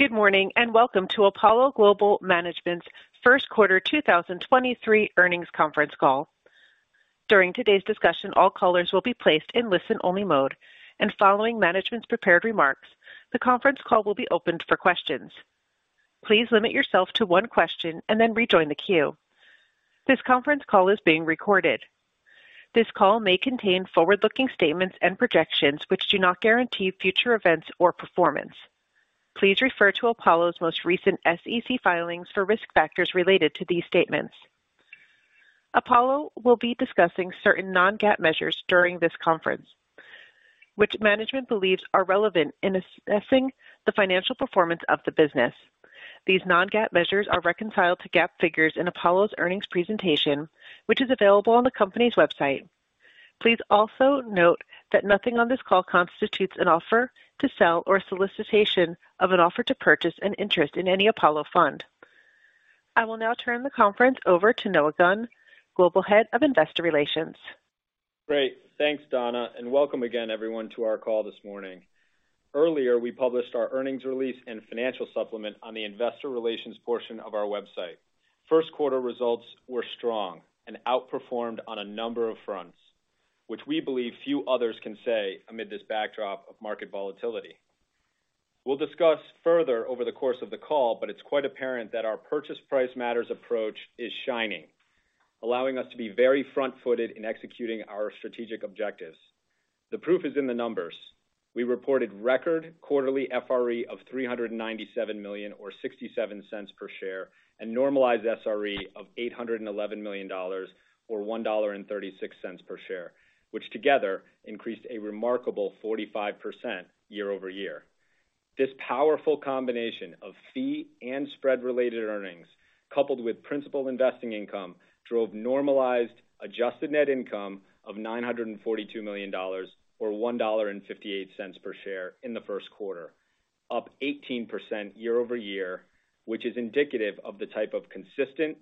Good morning, and welcome to Apollo Global Management's Q1 2023 earnings conference call. During today's discussion, all callers will be placed in listen-only mode, and following management's prepared remarks, the conference call will be opened for questions. Please limit yourself to one question and then rejoin the queue. This conference call is being recorded. This call may contain forward-looking statements and projections which do not guarantee future events or performance. Please refer to Apollo's most recent SEC filings for risk factors related to these statements. Apollo will be discussing certain non-GAAP measures during this conference, which management believes are relevant in assessing the financial performance of the business. These non-GAAP measures are reconciled to GAAP figures in Apollo's earnings presentation, which is available on the company's website. Please also note that nothing on this call constitutes an offer to sell or solicitation of an offer to purchase an interest in any Apollo fund. I will now turn the conference over to Noah Gunn, Global Head of Investor Relations. Great. Thanks, Donna, and welcome again, everyone, to our call this morning. Earlier, we published our earnings release and financial supplement on the investor relations portion of our website. Q1 results were strong and outperformed on a number of fronts, which we believe few others can say amid this backdrop of market volatility. We'll discuss further over the course of the call, but it's quite apparent that our purchase price matters approach is shining, allowing us to be very front-footed in executing our strategic objectives. The proof is in the numbers. We reported record quarterly FRE of $397 million or $0.67 per share, and normalized SRE of $811 million or $1.36 per share, which together increased a remarkable 45% year-over-year. This powerful combination of fee and spread-related earnings, coupled with principal investing income, drove normalized adjusted net income of $942 million or $1.58 per share in the Q1, up 18% year-over-year, which is indicative of the type of consistent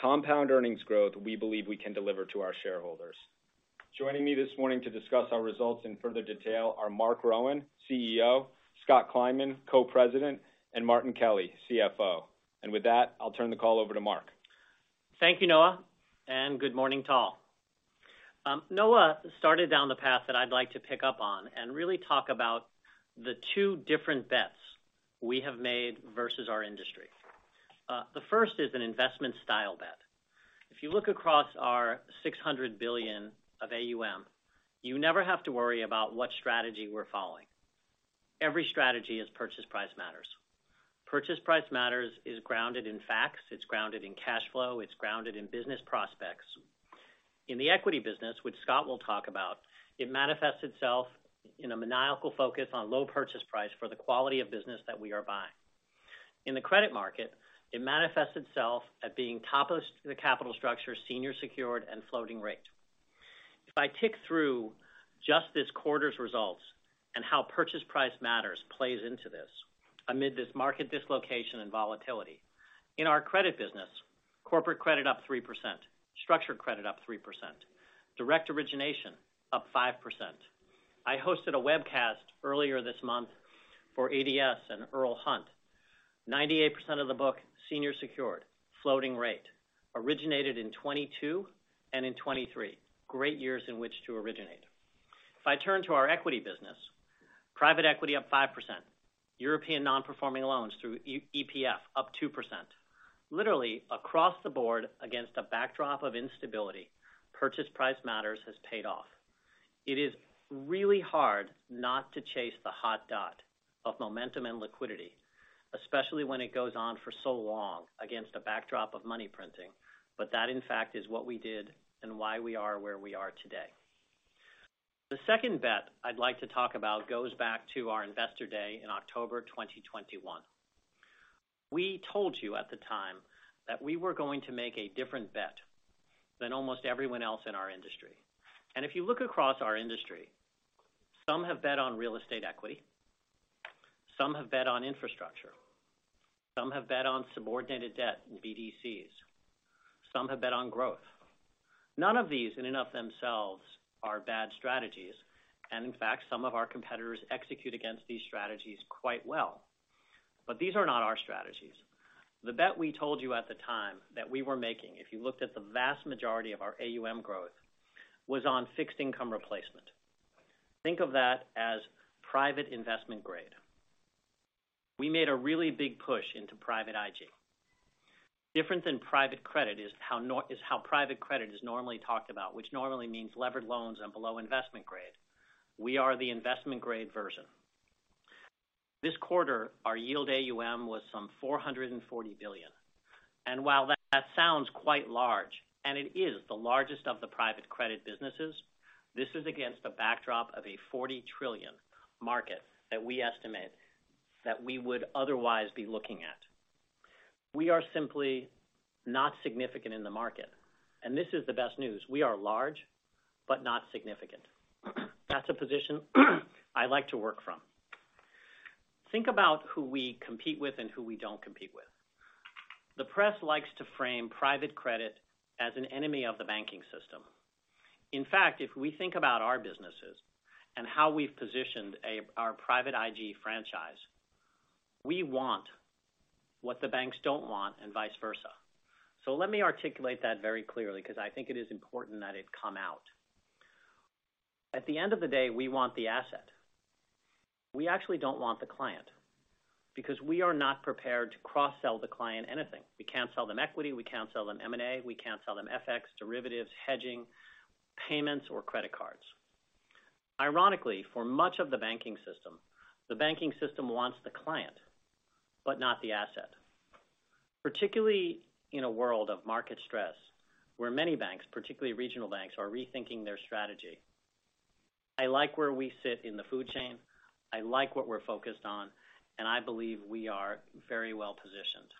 compound earnings growth we believe we can deliver to our shareholders. Joining me this morning to discuss our results in further detail are Marc Rowan, CEO, Scott Kleinman, Co-president, and Martin Kelly, CFO. With that, I'll turn the call over to Marc. Thank you, Noah, and good morning to all. Noah started down the path that I'd like to pick up on and really talk about the two different bets we have made versus our industry. The first is an investment style bet. If you look across our $600 billion of AUM, you never have to worry about what strategy we're following. Every strategy is purchase price matters. Purchase price matters is grounded in facts, it's grounded in cash flow, it's grounded in business prospects. In the equity business, which Scott will talk about, it manifests itself in a maniacal focus on low purchase price for the quality of business that we are buying. In the credit market, it manifests itself at being top of the capital structure, senior secured, and floating rate. If I tick through just this quarter's results and how purchase price matters plays into this amid this market dislocation and volatility. In our credit business, corporate credit up 3%, structured credit up 3%, direct origination up 5%. I hosted a webcast earlier this month for ADS and Earl Hunt. 98% of the book, senior secured, floating rate, originated in 2022 and in 2023. Great years in which to originate. If I turn to our equity business, private equity up 5%, European non-performing loans through EPF up 2%. Literally, across the board against a backdrop of instability, purchase price matters has paid off. It is really hard not to chase the hot dot of momentum and liquidity, especially when it goes on for so long against a backdrop of money printing. That, in fact, is what we did and why we are where we are today. The second bet I'd like to talk about goes back to our investor day in October 2021. We told you at the time that we were going to make a different bet than almost everyone else in our industry. If you look across our industry, some have bet on real estate equity, some have bet on infrastructure, some have bet on subordinated debt in BDCs, some have bet on growth. None of these in and of themselves are bad strategies, and in fact, some of our competitors execute against these strategies quite well. These are not our strategies. The bet we told you at the time that we were making, if you looked at the vast majority of our AUM growth, was on fixed income replacement. Think of that as private investment grade. We made a really big push into private IG. Different than private credit is how private credit is normally talked about, which normally means levered loans and below-investment grade. We are the investment grade version. This quarter, our yield AUM was some $440 billion. While that sounds quite large, and it is the largest of the private credit businesses, this is against a backdrop of a $40 trillion market that we estimate that we would otherwise be looking at. We are simply not significant in the market, and this is the best news. We are large, but not significant. That's a position I like to work from. Think about who we compete with and who we don't compete with. The press likes to frame private credit as an enemy of the banking system. In fact, if we think about our businesses and how we've positioned our private IG franchise, we want what the banks don't want and vice versa. Let me articulate that very clearly because I think it is important that it come out. At the end of the day, we want the asset. We actually don't want the client because we are not prepared to cross-sell the client anything. We can't sell them equity, we can't sell them M&A, we can't sell them FX, derivatives, hedging, payments, or credit cards. Ironically, for much of the banking system, the banking system wants the client, but not the asset. Particularly in a world of market stress, where many banks, particularly regional banks, are rethinking their strategy. I like where we sit in the food chain. I like what we're focused on, and I believe we are very well-positioned.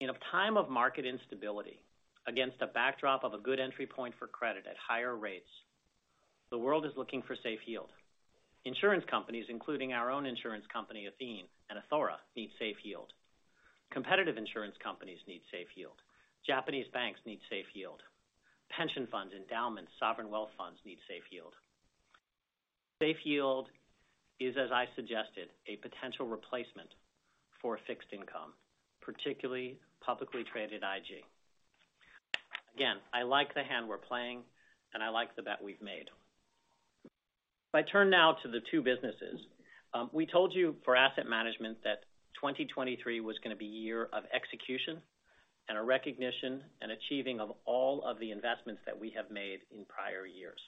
In a time of market instability against a backdrop of a good entry point for credit at higher rates, the world is looking for safe yield. Insurance companies, including our own insurance company, Athene and Athora, need safe yield. Competitive insurance companies need safe yield. Japanese banks need safe yield. Pension funds, endowments, sovereign wealth funds need safe yield. Safe yield is, as I suggested, a potential replacement for fixed income, particularly publicly traded IG. Again, I like the hand we're playing, and I like the bet we've made. If I turn now to the two businesses, we told you for asset management that 2023 was gonna be a year of execution and a recognition and achieving of all of the investments that we have made in prior years.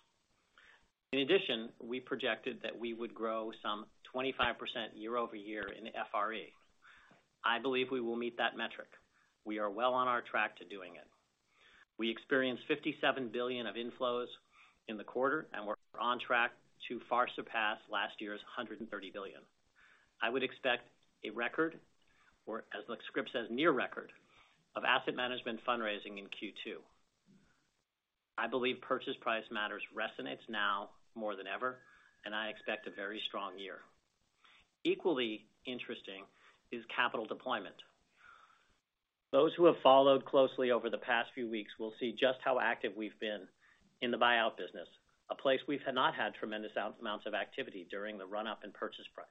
In addition, we projected that we would grow some 25% year-over-year in the FRE. I believe we will meet that metric. We are well on our track to doing it. We experienced $57 billion of inflows in the quarter, and we're on track to far surpass last year's $130 billion. I would expect a record, or as the script says, near record, of asset management fundraising in Q2. I believe purchase price matters resonates now more than ever, and I expect a very strong year. Equally interesting is capital deployment. Those who have followed closely over the past few weeks will see just how active we've been in the buyout business, a place we have not had tremendous amounts of activity during the run-up in purchase price.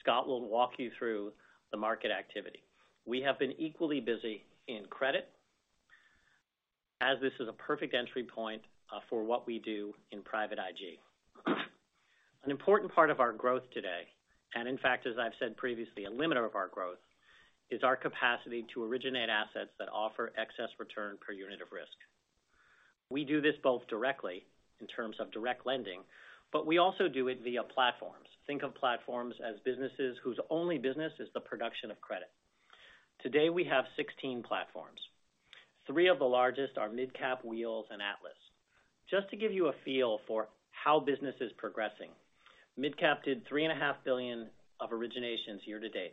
Scott will walk you through the market activity. We have been equally busy in credit as this is a perfect entry point for what we do in private IG. An important part of our growth today, and in fact, as I've said previously, a limiter of our growth, is our capacity to originate assets that offer excess return per unit of risk. We do this both directly in terms of direct lending, but we also do it via platforms. Think of platforms as businesses whose only business is the production of credit. Today, we have 16 platforms. 3 of the largest are MidCap, Wheels, and Atlas. Just to give you a feel for how business is progressing, MidCap did $3.5 billion of originations year to date.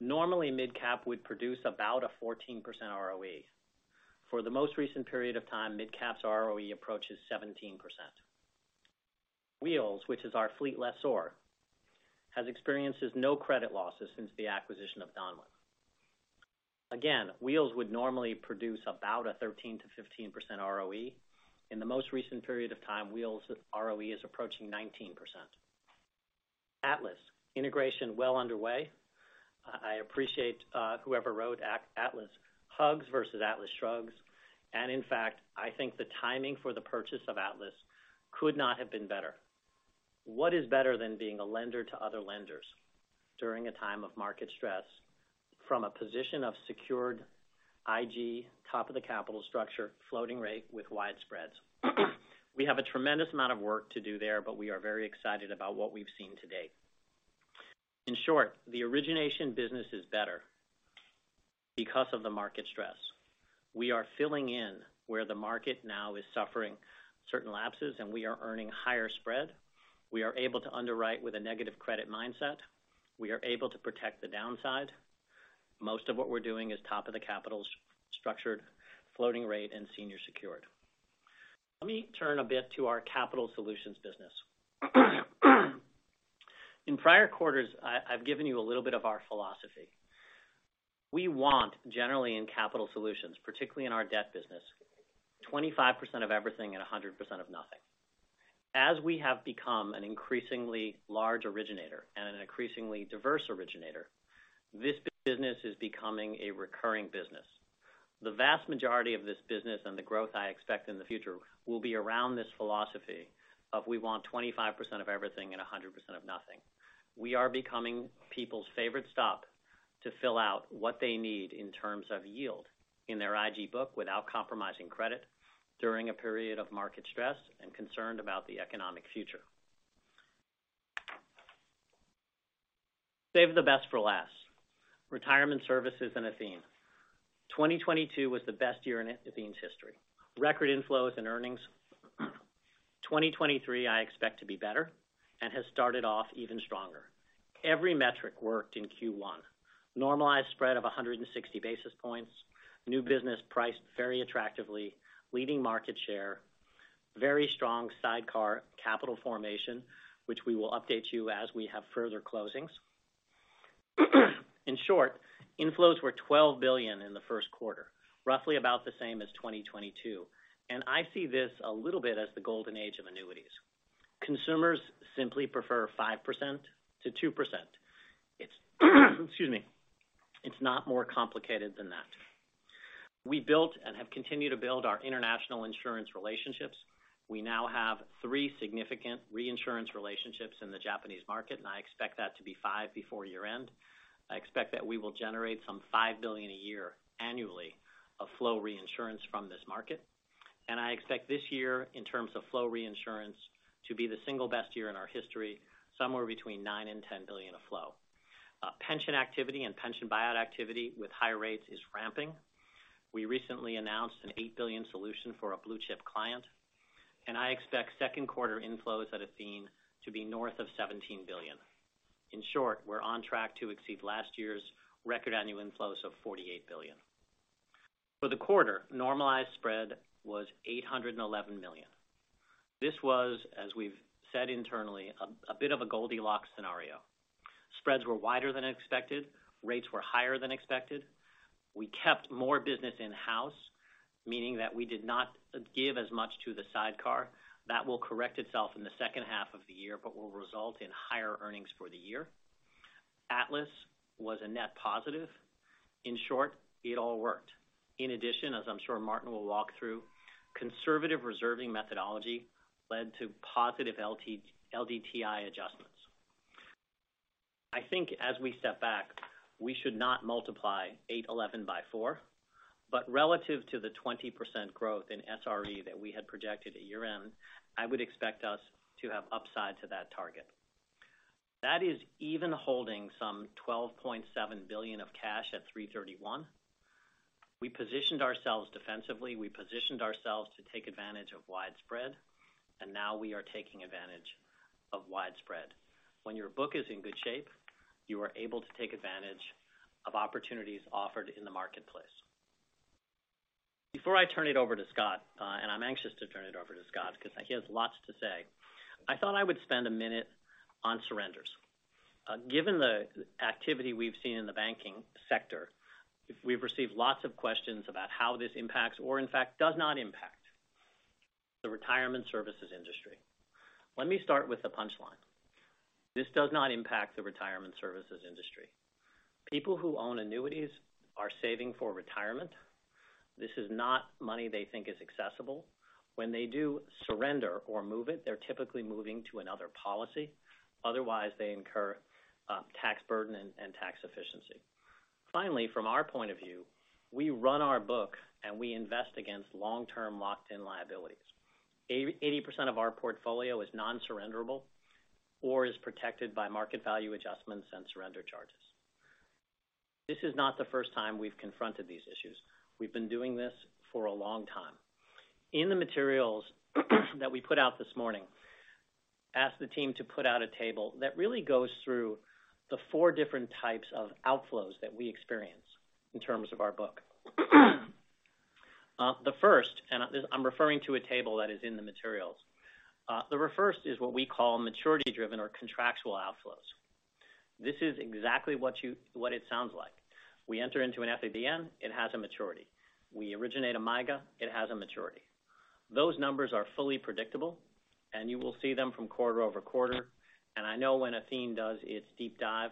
Normally, MidCap would produce about a 14% ROE. For the most recent period of time, MidCap's ROE approaches 17%. Wheels, which is our fleet lessor, has experienced no credit losses since the acquisition of Donlen. Again, Wheels would normally produce about a 13%-15% ROE. In the most recent period of time, Wheels' ROE is approaching 19%. Atlas, integration well underway. I appreciate whoever wrote Atlas hugs versus Atlas shrugs. In fact, I think the timing for the purchase of Atlas could not have been better. What is better than being a lender to other lenders during a time of market stress from a position of secured IG, top of the capital structure, floating rate with wide spreads? We have a tremendous amount of work to do there, but we are very excited about what we've seen to date. In short, the origination business is better because of the market stress. We are filling in where the market now is suffering certain lapses, and we are earning higher spread. We are able to underwrite with a negative credit mindset. We are able to protect the downside. Most of what we're doing is top of the capital structure, floating rate, and senior secured. Let me turn a bit to our capital solutions business. In prior quarters, I've given you a little bit of our philosophy. We want, generally in capital solutions, particularly in our debt business, 25% of everything and 100% of nothing. We have become an increasingly large originator and an increasingly diverse originator, this business is becoming a recurring business. The vast majority of this business and the growth I expect in the future will be around this philosophy of we want 25% of everything and 100% of nothing. We are becoming people's favorite stop to fill out what they need in terms of yield in their IG book without compromising credit during a period of market stress and concerned about the economic future. Saved the best for last. Retirement services in Athene. 2022 was the best year in Athene's history. Record inflows and earnings. 2023 I expect to be better and has started off even stronger. Every metric worked in Q1. Normalized spread of 160 basis points, new business priced very attractively, leading market share. Very strong sidecar capital formation, which we will update you as we have further closings. In short, inflows were $12 billion in the Q1, roughly about the same as 2022. I see this a little bit as the golden age of annuities. Consumers simply prefer 5% to 2%. It's, excuse me, it's not more complicated than that. We built and have continued to build our international insurance relationships. We now have three significant reinsurance relationships in the Japanese market. I expect that to be five before year-end. I expect that we will generate some $5 billion a year annually of flow reinsurance from this market. I expect this year, in terms of flow reinsurance, to be the single best year in our history, somewhere between $9 billion-$10 billion of flow. Pension activity and pension buyout activity with higher rates is ramping. We recently announced an $8 billion solution for a blue-chip client. I expect Q2 inflows at Athene to be north of $17 billion. In short, we're on track to exceed last year's record annual inflows of $48 billion. For the quarter, normalized spread was $811 million. This was, as we've said internally, a bit of a Goldilocks scenario. Spreads were wider than expected, rates were higher than expected. We kept more business in-house, meaning that we did not give as much to the sidecar. That will correct itself in the second half of the year, but will result in higher earnings for the year. Atlas was a net positive. In short, it all worked. In addition, as I'm sure Martin will walk through, conservative reserving methodology led to positive LDTI adjustments. I think as we step back, we should not multiply 811 by four, but relative to the 20% growth in SRE that we had projected at year-end, I would expect us to have upside to that target. That is even holding some $12.7 billion of cash at 3/31. We positioned ourselves defensively, we positioned ourselves to take advantage of widespread, and now we are taking advantage of widespread. When your book is in good shape, you are able to take advantage of opportunities offered in the marketplace. Before I turn it over to Scott, and I'm anxious to turn it over to Scott 'cause he has lots to say, I thought I would spend a minute on surrenders. Given the activity we've seen in the banking sector, if we've received lots of questions about how this impacts or in fact does not impact the retirement services industry, let me start with the punchline. This does not impact the retirement services industry. People who own annuities are saving for retirement. This is not money they think is accessible. When they do surrender or move it, they're typically moving to another policy. Otherwise, they incur tax burden and tax efficiency. Finally, from our point of view, we run our book and we invest against long-term locked in liabilities. 80% of our portfolio is non-surrenderable or is protected by market value adjustments and surrender charges. This is not the first time we've confronted these issues. We've been doing this for a long time. In the materials that we put out this morning, ask the team to put out a table that really goes through the four different types of outflows that we experience in terms of our book. The first, and I'm referring to a table that is in the materials. The first is what we call maturity-driven or contractual outflows. This is exactly what it sounds like. We enter into an FABN, it has a maturity. We originate a MYGA, it has a maturity. Those numbers are fully predictable, and you will see them from quarter-over-quarter. I know when Athene does its deep dive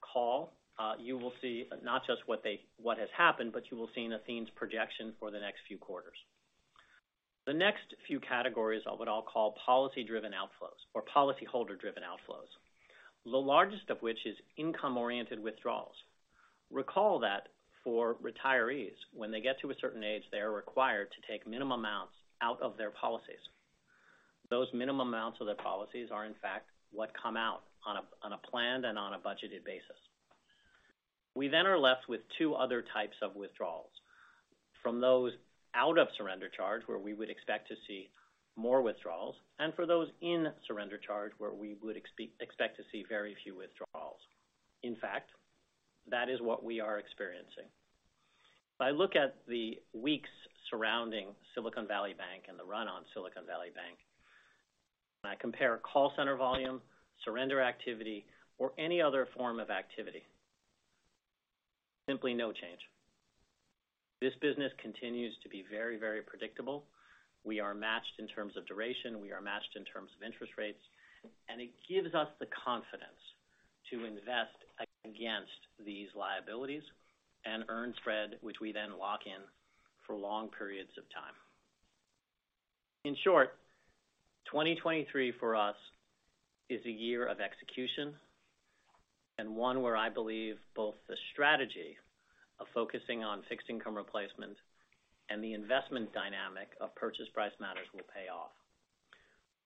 call, you will see not just what has happened, but you will see Athene's projection for the next few quarters. The next few categories are what I'll call policy-driven outflows or policyholder-driven outflows, the largest of which is income-oriented withdrawals. Recall that for retirees, when they get to a certain age, they are required to take minimum amounts out of their policies. Those minimum amounts of their policies are, in fact, what come out on a, on a planned and on a budgeted basis. We are left with two other types of withdrawals. From those out of surrender charge, where we would expect to see more withdrawals, and for those in surrender charge, where we would expect to see very few withdrawals. In fact, that is what we are experiencing. If I look at the weeks surrounding Silicon Valley Bank and the run on Silicon Valley Bank, I compare call center volume, surrender activity, or any other form of activity. Simply no change. This business continues to be very, very predictable. We are matched in terms of duration, we are matched in terms of interest rates, and it gives us the confidence to invest against these liabilities and earn spread, which we then lock in for long periods of time. In short, 2023 for us is a year of execution and one where I believe both the strategy of focusing on fixed income replacement and the investment dynamic of purchase price matters will pay off.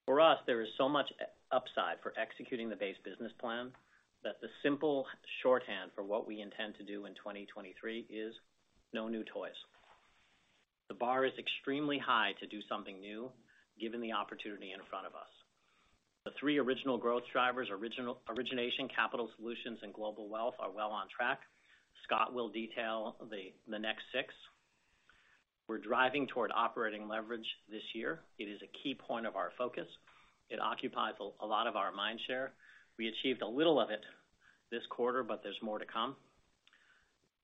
For us, there is so much the upside for executing the base business plan that the simple shorthand for what we intend to do in 2023 is no new toys. The bar is extremely high to do something new given the opportunity in front of us. The three original growth drivers, origination, capital solutions, and global wealth are well on track. Scott will detail the next six. We're driving toward operating leverage this year. It is a key point of our focus. It occupies a lot of our mind share. We achieved a little of it this quarter, but there's more to come.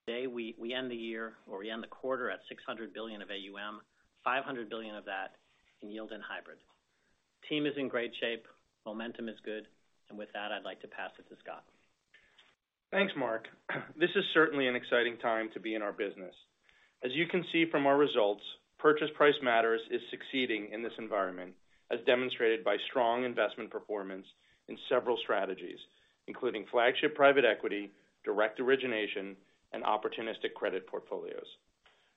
Today, we end the year or we end the quarter at $600 billion of AUM, $500 billion of that in yield and hybrid. Team is in great shape, momentum is good, and with that, I'd like to pass it to Scott. Thanks, Marc. This is certainly an exciting time to be in our business. As you can see from our results, purchase price matters is succeeding in this environment, as demonstrated by strong investment performance in several strategies, including flagship private equity, direct origination, and opportunistic credit portfolios.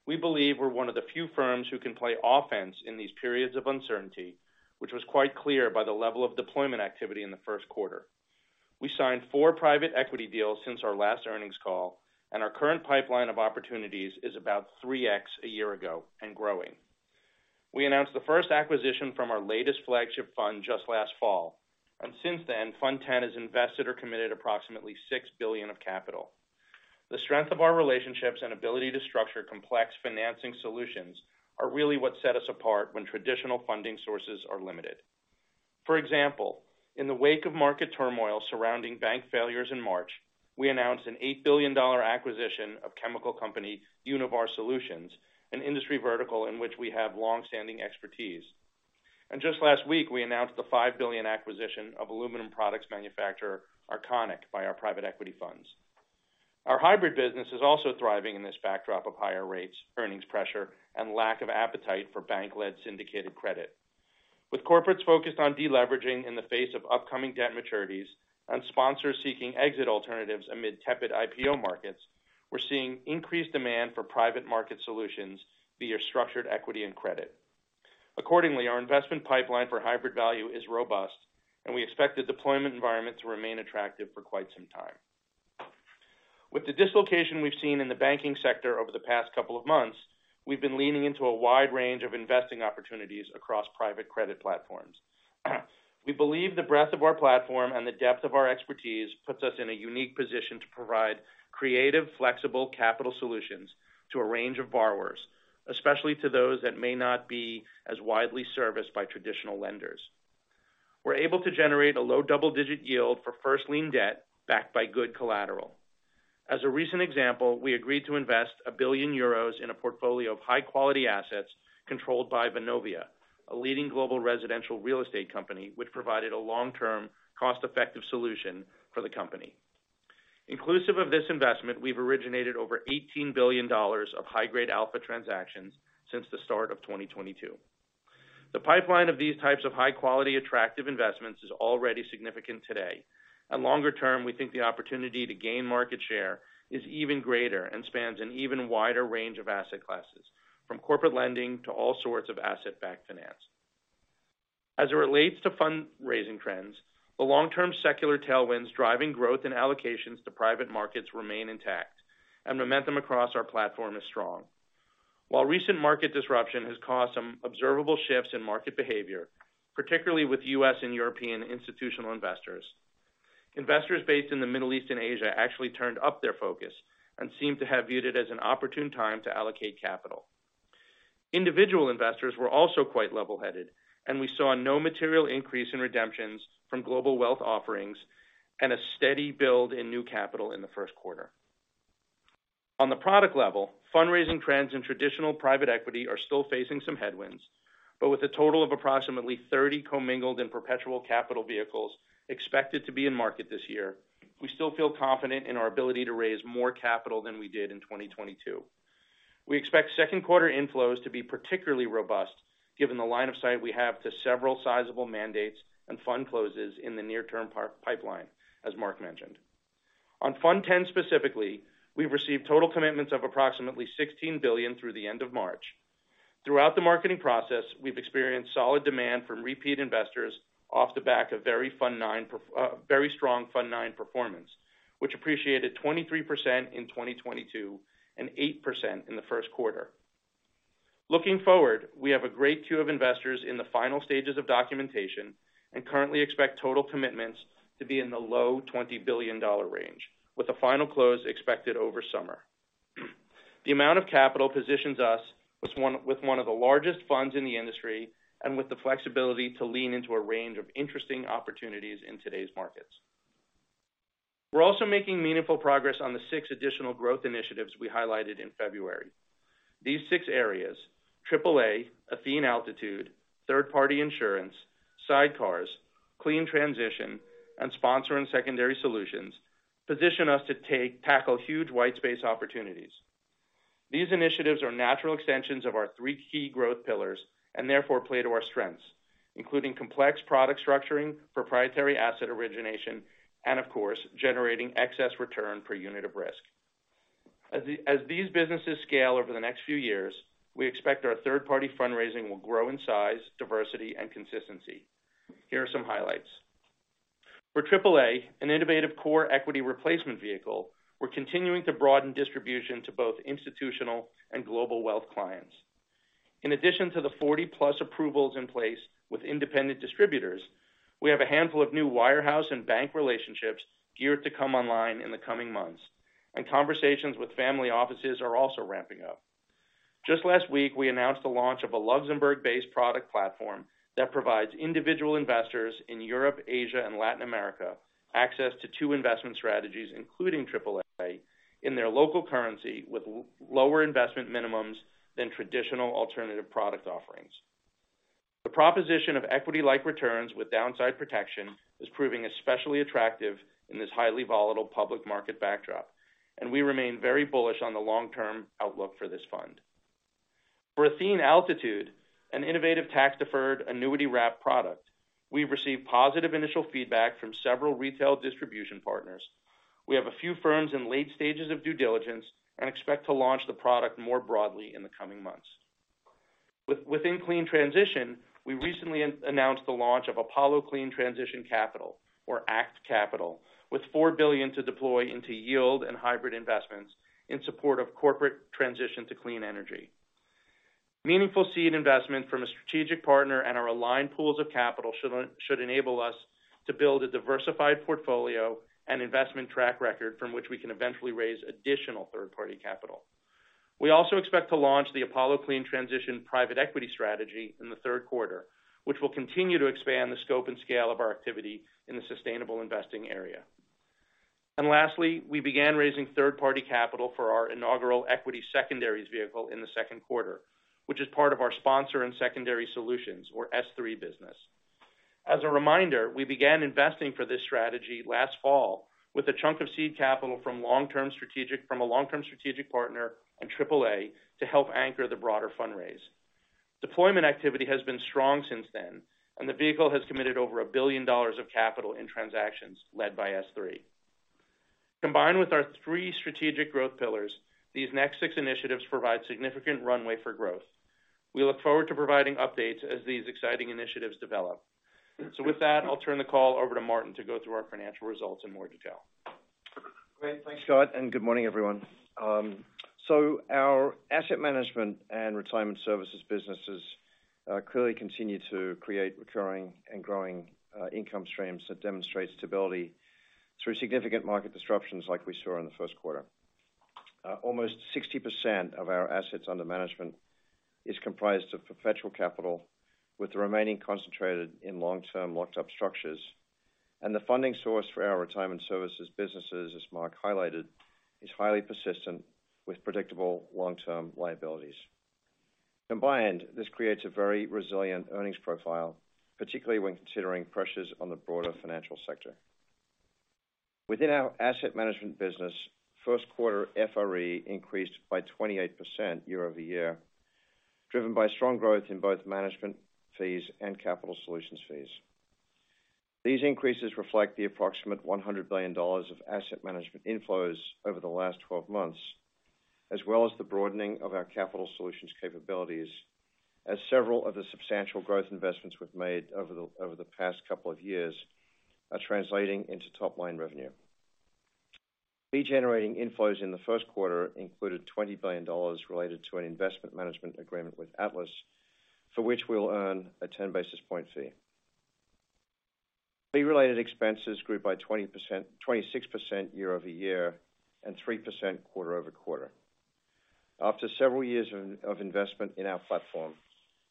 We believe we're one of the few firms who can play offense in these periods of uncertainty, which was quite clear by the level of deployment activity in the Q1. We signed four private equity deals since our last earnings call, and our current pipeline of opportunities is about 3x a year ago and growing. We announced the first acquisition from our latest flagship fund just last fall, and since then, Fund X has invested or committed approximately $6 billion of capital. The strength of our relationships and ability to structure complex financing solutions are really what set us apart when traditional funding sources are limited. For example, in the wake of market turmoil surrounding bank failures in March, we announced an $8 billion acquisition of chemical company, Univar Solutions, an industry vertical in which we have long-standing expertise. Just last week, we announced the $5 billion acquisition of aluminum products manufacturer, Arconic, by our private equity funds. Our hybrid business is also thriving in this backdrop of higher rates, earnings pressure, and lack of appetite for bank-led syndicated credit. With corporates focused on deleveraging in the face of upcoming debt maturities and sponsors seeking exit alternatives amid tepid IPO markets, we're seeing increased demand for private market solutions via structured equity and credit. Our investment pipeline for hybrid value is robust, and we expect the deployment environment to remain attractive for quite some time. With the dislocation we've seen in the banking sector over the past couple of months, we've been leaning into a wide range of investing opportunities across private credit platforms. We believe the breadth of our platform and the depth of our expertise puts us in a unique position to provide creative, flexible capital solutions to a range of borrowers, especially to those that may not be as widely serviced by traditional lenders. We're able to generate a low double-digit yield for first lien debt backed by good collateral. As a recent example, we agreed to invest 1 billion euros in a portfolio of high-quality assets controlled by Vonovia, a leading global residential real estate company, which provided a long-term, cost-effective solution for the company. Inclusive of this investment, we've originated over $18 billion of high-grade alpha transactions since the start of 2022. The pipeline of these types of high quality, attractive investments is already significant today. Longer term, we think the opportunity to gain market share is even greater and spans an even wider range of asset classes, from corporate lending to all sorts of asset-backed finance. As it relates to fundraising trends, the long-term secular tailwinds driving growth and allocations to private markets remain intact, and momentum across our platform is strong. While recent market disruption has caused some observable shifts in market behavior, particularly with U.S. and European institutional investors based in the Middle East and Asia actually turned up their focus and seemed to have viewed it as an opportune time to allocate capital. Individual investors were also quite level-headed, and we saw no material increase in redemptions from global wealth offerings and a steady build in new capital in the Q1. On the product level, fundraising trends in traditional private equity are still facing some headwinds, but with a total of approximately 30 commingled and perpetual capital vehicles expected to be in market this year, we still feel confident in our ability to raise more capital than we did in 2022. We expect Q2 inflows to be particularly robust given the line of sight we have to several sizable mandates and fund closes in the near term pipeline, as Marc mentioned. On Fund X specifically, we've received total commitments of approximately $16 billion through the end of March. Throughout the marketing process, we've experienced solid demand from repeat investors off the back of very strong Fund IX performance, which appreciated 23% in 2022 and 8% in the Q1. Looking forward, we have a great queue of investors in the final stages of documentation and currently expect total commitments to be in the low $20 billion range with a final close expected over summer. The amount of capital positions us with one of the largest funds in the industry and with the flexibility to lean into a range of interesting opportunities in today's markets. We're also making meaningful progress on the six additional growth initiatives we highlighted in February. These six areas, AAA, Athene Altitude, third-party insurance, sidecars, Clean Transition, and sponsor and secondary solutions, position us to tackle huge white space opportunities. These initiatives are natural extensions of our three key growth pillars. Therefore play to our strengths, including complex product structuring, proprietary asset origination, Of course, generating excess return per unit of risk. As these businesses scale over the next few years, we expect our third-party fundraising will grow in size, diversity, and consistency. Here are some highlights. For AAA, an innovative core equity replacement vehicle, we're continuing to broaden distribution to both institutional and global wealth clients. In addition to the 40+ approvals in place with independent distributors, we have a handful of new wirehouse and bank relationships geared to come online in the coming months. Conversations with family offices are also ramping up. Just last week, we announced the launch of a Luxembourg-based product platform that provides individual investors in Europe, Asia, and Latin America access to two investment strategies, including AAA, in their local currency with lower investment minimums than traditional alternative product offerings. The proposition of equity-like returns with downside protection is proving especially attractive in this highly volatile public market backdrop. We remain very bullish on the long-term outlook for this fund. For Athene Altitude, an innovative tax-deferred annuity wrap product, we've received positive initial feedback from several retail distribution partners. We have a few firms in late stages of due diligence and expect to launch the product more broadly in the coming months. Within Clean Transition, we recently announced the launch of Apollo Clean Transition Capital, or ACT Capital, with $4 billion to deploy into yield and hybrid investments in support of corporate transition to clean energy. Meaningful seed investment from a strategic partner and our aligned pools of capital should enable us to build a diversified portfolio and investment track record from which we can eventually raise additional third-party capital. We also expect to launch the Apollo Clean Transition private equity strategy in the Q3, which will continue to expand the scope and scale of our activity in the sustainable investing area. Lastly, we began raising third-party capital for our inaugural equity secondaries vehicle in the Q2, which is part of our sponsor and secondary solutions or S3 business. As a reminder, we began investing for this strategy last fall with a chunk of seed capital from a long-term strategic partner and AAA to help anchor the broader fundraise. Deployment activity has been strong since then, and the vehicle has committed over $1 billion of capital in transactions led by S3. Combined with our three strategic growth pillars, these next six initiatives provide significant runway for growth. We look forward to providing updates as these exciting initiatives develop. With that, I'll turn the call over to Martin to go through our financial results in more detail. Great. Thanks, Scott. Good morning, everyone. Our asset management and retirement services businesses clearly continue to create recurring and growing income streams that demonstrate stability through significant market disruptions like we saw in the Q1. Almost 60% of our assets under management is comprised of perpetual capital, with the remaining concentrated in long-term locked up structures. The funding source for our retirement services businesses, as Marc highlighted, is highly persistent with predictable long-term liabilities. Combined, this creates a very resilient earnings profile, particularly when considering pressures on the broader financial sector. Within our asset management business, Q1 FRE increased by 28% year-over-year, driven by strong growth in both management fees and capital solutions fees. These increases reflect the approximate $100 billion of asset management inflows over the last 12 months, as well as the broadening of our capital solutions capabilities as several of the substantial growth investments we've made over the past couple of years are translating into top-line revenue. Fee-generating inflows in the Q1 included $20 billion related to an investment management agreement with Atlas, for which we'll earn a 10-basis point fee. Fee-related expenses grew by 26% year-over-year and 3% quarter-over-quarter. After several years of investment in our platform,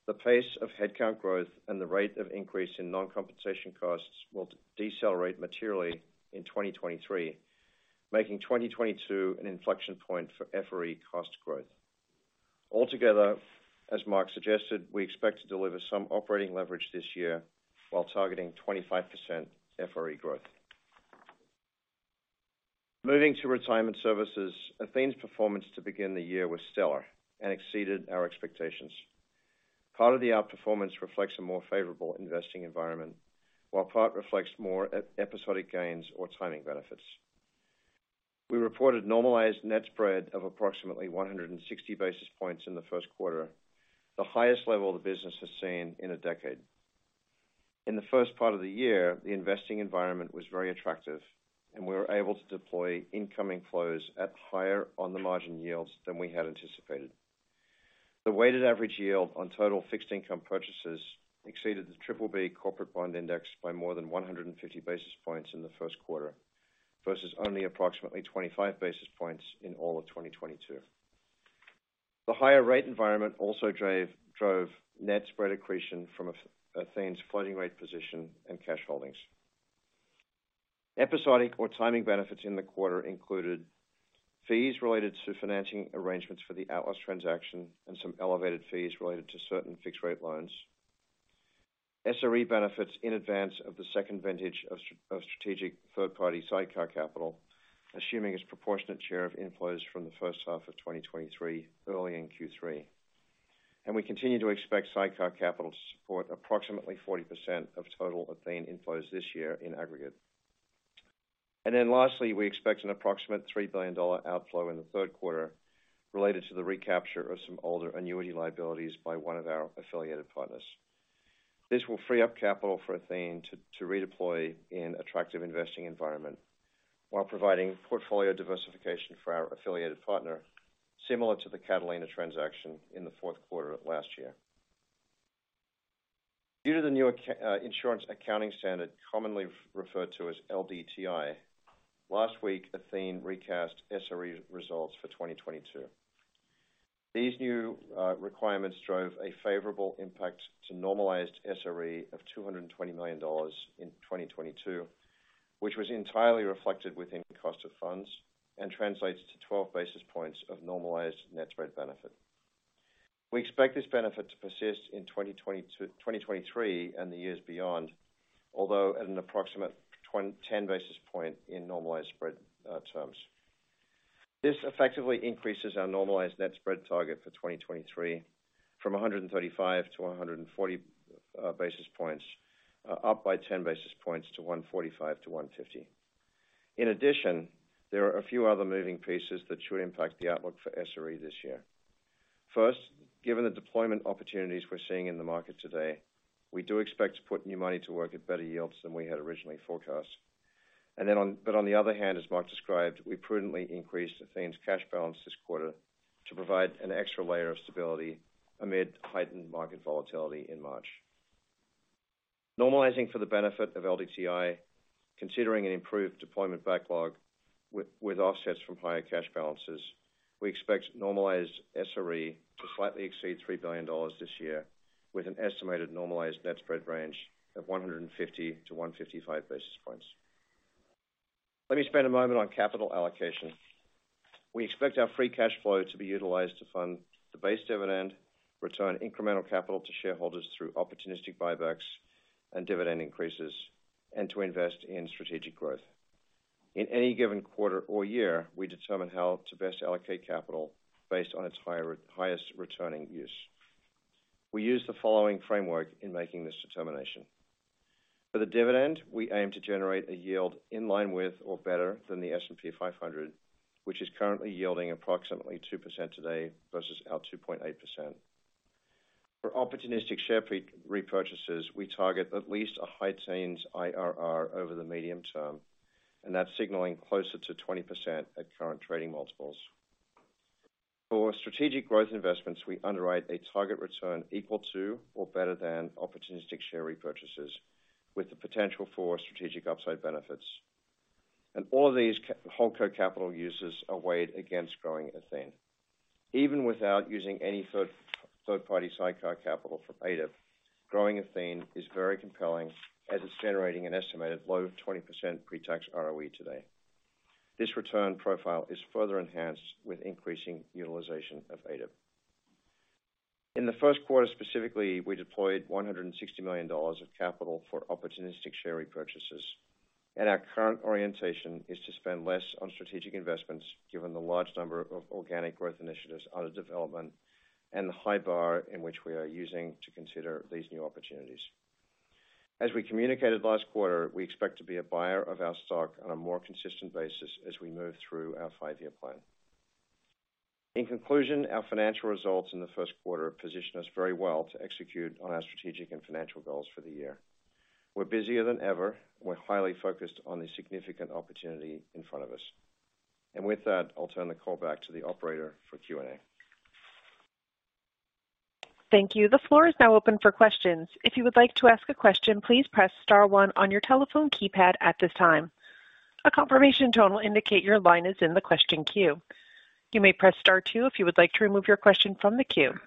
the pace of headcount growth and the rate of increase in non-compensation costs will decelerate materially in 2023, making 2022 an inflection point for FRE cost growth. Altogether, as Marc suggested, we expect to deliver some operating leverage this year while targeting 25% FRE growth. Moving to retirement services, Athene's performance to begin the year was stellar and exceeded our expectations. Part of the outperformance reflects a more favorable investing environment, while part reflects more episodic gains or timing benefits. We reported normalized net spread of approximately 160 basis points in the Q1, the highest level the business has seen in a decade. In the first part of the year, the investing environment was very attractive, we were able to deploy incoming flows at higher on-the-margin yields than we had anticipated. The weighted average yield on total fixed income purchases exceeded the BBB corporate bond index by more than 150 basis points in the Q1 versus only approximately 25 basis points in all of 2022. The higher rate environment also drove net spread accretion from Athene's floating rate position and cash holdings. Episodic or timing benefits in the quarter included fees related to financing arrangements for the Atlas transaction and some elevated fees related to certain fixed rate loans. SRE benefits in advance of the second vintage of strategic third-party sidecar capital, assuming its proportionate share of inflows from the first half of 2023 early in Q3. We continue to expect sidecar capital to support approximately 40% of total Athene inflows this year in aggregate. Lastly, we expect an approximate $3 billion outflow in the Q3 related to the recapture of some older annuity liabilities by one of our affiliated partners. This will free up capital for Athene to redeploy in attractive investing environment while providing portfolio diversification for our affiliated partner, similar to the Catalina transaction in the Q4 of last year. Due to the new insurance accounting standard, commonly referred to as LDTI, last week, Athene recast SRE results for 2022. These new requirements drove a favorable impact to normalized SRE of $220 million in 2022, which was entirely reflected within cost of funds and translates to 12 basis points of normalized net spread benefit. We expect this benefit to persist in 2022, 2023 and the years beyond, although at an approximate 10 basis point in normalized spread terms. This effectively increases our normalized net spread target for 2023 from 135 to 140 basis points up by 10 basis points to 145-150. In addition, there are a few other moving pieces that should impact the outlook for SRE this year. First, given the deployment opportunities we're seeing in the market today, we do expect to put new money to work at better yields than we had originally forecast. On the other hand, as Marc described, we prudently increased Athene's cash balance this quarter to provide an extra layer of stability amid heightened market volatility in March. Normalizing for the benefit of LDTI, considering an improved deployment backlog with offsets from higher cash balances, we expect normalized SRE to slightly exceed $3 billion this year, with an estimated normalized net spread range of 150-155 basis points. Let me spend a moment on capital allocation. We expect our free cash flow to be utilized to fund the base dividend, return incremental capital to shareholders through opportunistic buybacks and dividend increases, and to invest in strategic growth. In any given quarter or year, we determine how to best allocate capital based on its highest returning use. We use the following framework in making this determination. For the dividend, we aim to generate a yield in line with or better than the S&P 500, which is currently yielding approximately 2% today versus our 2.8%. For opportunistic share repurchases, we target at least a high teens IRR over the medium term, and that's signaling closer to 20% at current trading multiples. For strategic growth investments, we underwrite a target return equal to or better than opportunistic share repurchases with the potential for strategic upside benefits. All of these holdco capital uses are weighed against growing Athene. Even without using any third-party sidecar capital from ADIP, growing Athene is very compelling as it's generating an estimated low of 20% pretax ROE today. This return profile is further enhanced with increasing utilization of ADIP. In the Q1, specifically, we deployed $160 million of capital for opportunistic share repurchases. Our current orientation is to spend less on strategic investments given the large number of organic growth initiatives under development and the high bar in which we are using to consider these new opportunities. As we communicated last quarter, we expect to be a buyer of our stock on a more consistent basis as we move through our five-year plan. In conclusion, our financial results in the Q1 position us very well to execute on our strategic and financial goals for the year. We're busier than ever. We're highly focused on the significant opportunity in front of us. With that, I'll turn the call back to the operator for Q&A. Thank you. The floor is now open for questions. If you would like to ask a question, please press star one on your telephone keypad at this time. A confirmation tone will indicate your line is in the question queue. You may press star two if you would like to remove your question from the queue.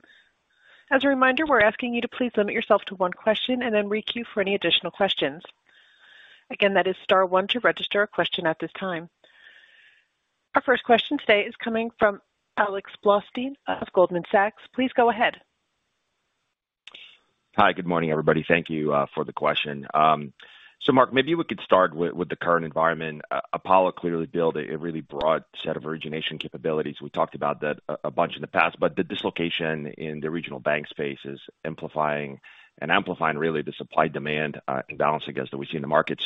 As a reminder, we're asking you to please limit yourself to one question and then re-queue for any additional questions. Again, that is star one to register a question at this time. Our first question today is coming from Alex Blostein of Goldman Sachs. Please go ahead. Hi, good morning, everybody. Thank you for the question. Marc, maybe we could start with the current environment. Apollo clearly built a really broad set of origination capabilities. We talked about that a bunch in the past, the dislocation in the regional bank space is amplifying really the supply-demand imbalance, I guess, that we see in the market.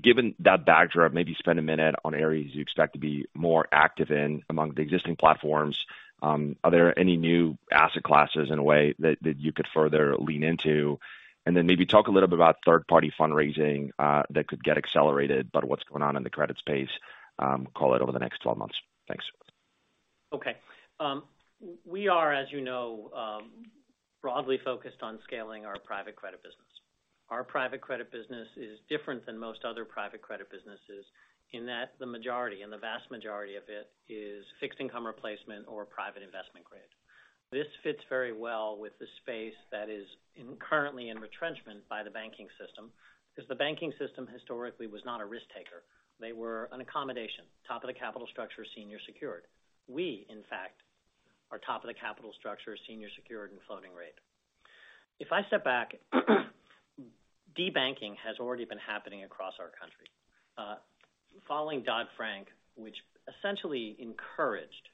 Given that backdrop, maybe spend a minute on areas you expect to be more active in among the existing platforms. Are there any new asset classes in a way that you could further lean into? Maybe talk a little bit about third-party fundraising that could get accelerated by what's going on in the credit space, call it over the next 12 months. Thanks. Okay. We are, as you know, broadly focused on scaling our private credit business. Our private credit business is different than most other private credit businesses in that the majority, and the vast majority of it is fixed income replacement or private investment grade. This fits very well with the space that is currently in retrenchment by the banking system, because the banking system historically was not a risk taker. They were an accommodation, top of the capital structure, senior secured. We, in fact, are top of the capital structure, senior secured and floating rate. If I step back, debanking has already been happening across our country. Following Dodd-Frank, which essentially encouraged-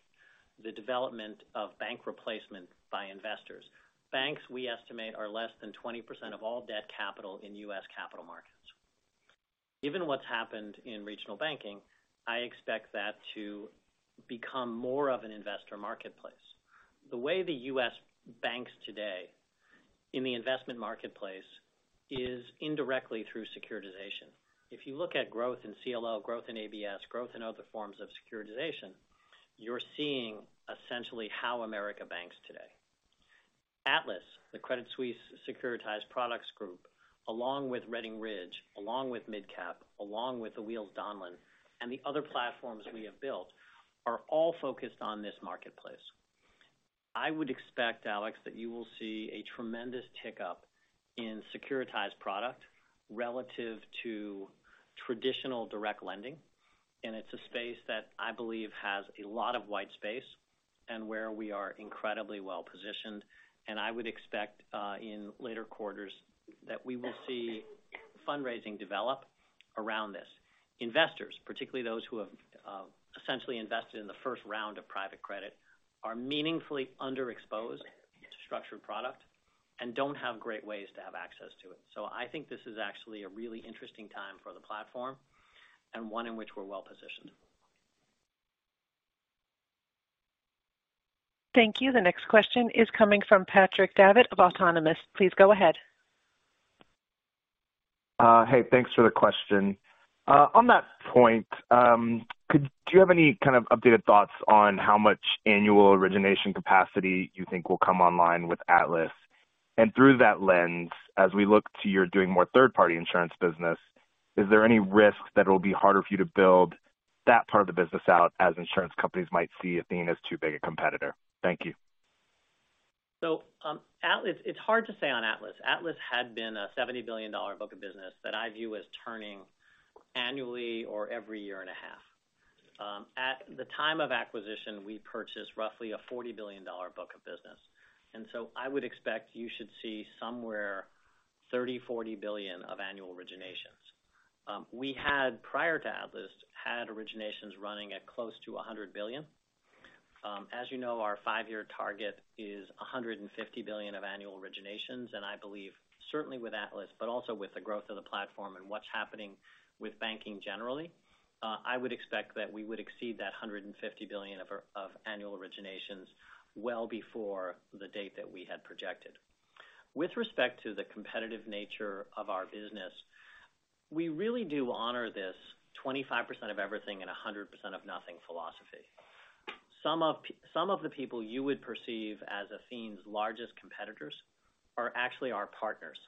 The development of bank replacement by investors. Banks, we estimate, are less than 20% of all debt capital in U.S. capital markets. Given what's happened in regional banking, I expect that to become more of an investor marketplace. The way the U.S. banks today in the investment marketplace is indirectly through securitization. If you look at growth in CLO, growth in ABS, growth in other forms of securitization, you're seeing essentially how America banks today. Atlas, the Credit Suisse securitized products group, along with Redding Ridge, along with MidCap, along with the Wheels Donlen, and the other platforms we have built, are all focused on this marketplace. I would expect, Alex, that you will see a tremendous tick up in securitized product relative to traditional direct lending. It's a space that I believe has a lot of white space and where we are incredibly well-positioned. I would expect in later quarters that we will see fundraising develop around this. Investors, particularly those who have essentially invested in the first round of private credit, are meaningfully underexposed to structured product and don't have great ways to have access to it. I think this is actually a really interesting time for the platform and one in which we're well-positioned. Thank you. The next question is coming from Patrick Davitt of Autonomous. Please go ahead. Hey, thanks for the question. On that point, do you have any kind of updated thoughts on how much annual origination capacity you think will come online with Atlas? Through that lens, as we look to you doing more third-party insurance business, is there any risk that it'll be harder for you to build that part of the business out as insurance companies might see Athene as too big a competitor? Thank you. Atlas. It's hard to say on Atlas. Atlas had been a $70 billion book of business that I view as turning annually or every year and a half. At the time of acquisition, we purchased roughly a $40 billion book of business. I would expect you should see somewhere $30 billion-$40 billion of annual originations. We had, prior to Atlas, had originations running at close to $100 billion. As you know, our five-year target is $150 billion of annual originations. I believe certainly with Atlas, but also with the growth of the platform and what's happening with banking generally, I would expect that we would exceed that $150 billion of annual originations well before the date that we had projected. With respect to the competitive nature of our business, we really do honor this 25% of everything and 100% of nothing philosophy. Some of the people you would perceive as Athene's largest competitors are actually our partners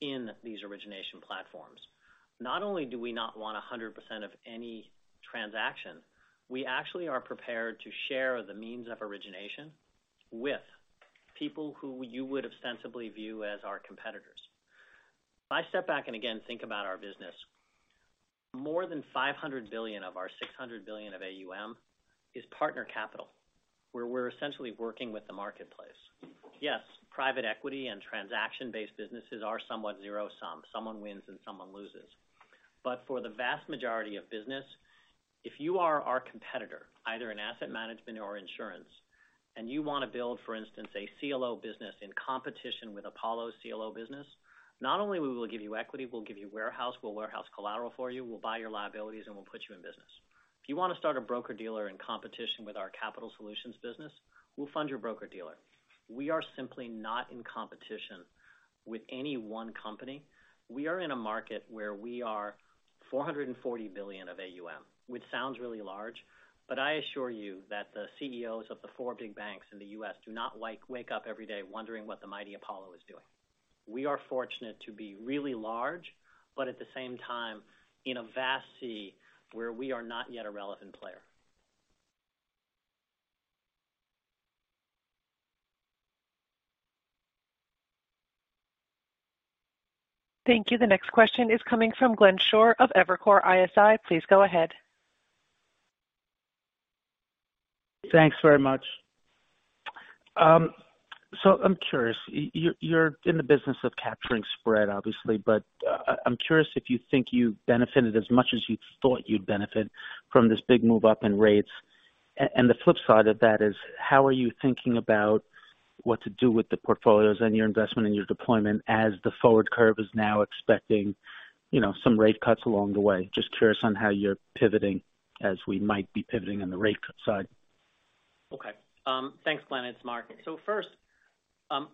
in these origination platforms. Not only do we not want 100% of any transaction, we actually are prepared to share the means of origination with people who you would ostensibly view as our competitors. If I step back and again think about our business, more than $500 billion of our $600 billion of AUM is partner capital, where we're essentially working with the marketplace. Private equity and transaction-based businesses are somewhat zero-sum. Someone wins and someone loses. For the vast majority of business, if you are our competitor, either in asset management or insurance, and you want to build, for instance, a CLO business in competition with Apollo's CLO business, not only we will give you equity, we'll give you warehouse, we'll warehouse collateral for you, we'll buy your liabilities, and we'll put you in business. If you want to start a broker-dealer in competition with our capital solutions business, we'll fund your broker-dealer. We are simply not in competition with any one company. We are in a market where we are $440 billion of AUM, which sounds really large, but I assure you that the CEOs of the four big banks in the U.S. do not wake up every day wondering what the mighty Apollo is doing. We are fortunate to be really large, but at the same time, in a vast sea where we are not yet a relevant player. Thank you. The next question is coming from Glenn Schorr of Evercore ISI. Please go ahead. Thanks very much. I'm curious, you're in the business of capturing spread, obviously, but I'm curious if you think you've benefited as much as you thought you'd benefit from this big move up in rates. The flip side of that is how are you thinking about what to do with the portfolios and your investment and your deployment as the forward curve is now expecting, you know, some rate cuts along the way? Just curious on how you're pivoting as we might be pivoting on the rate cut side. Okay. Thanks, Glenn. It's Marc. First,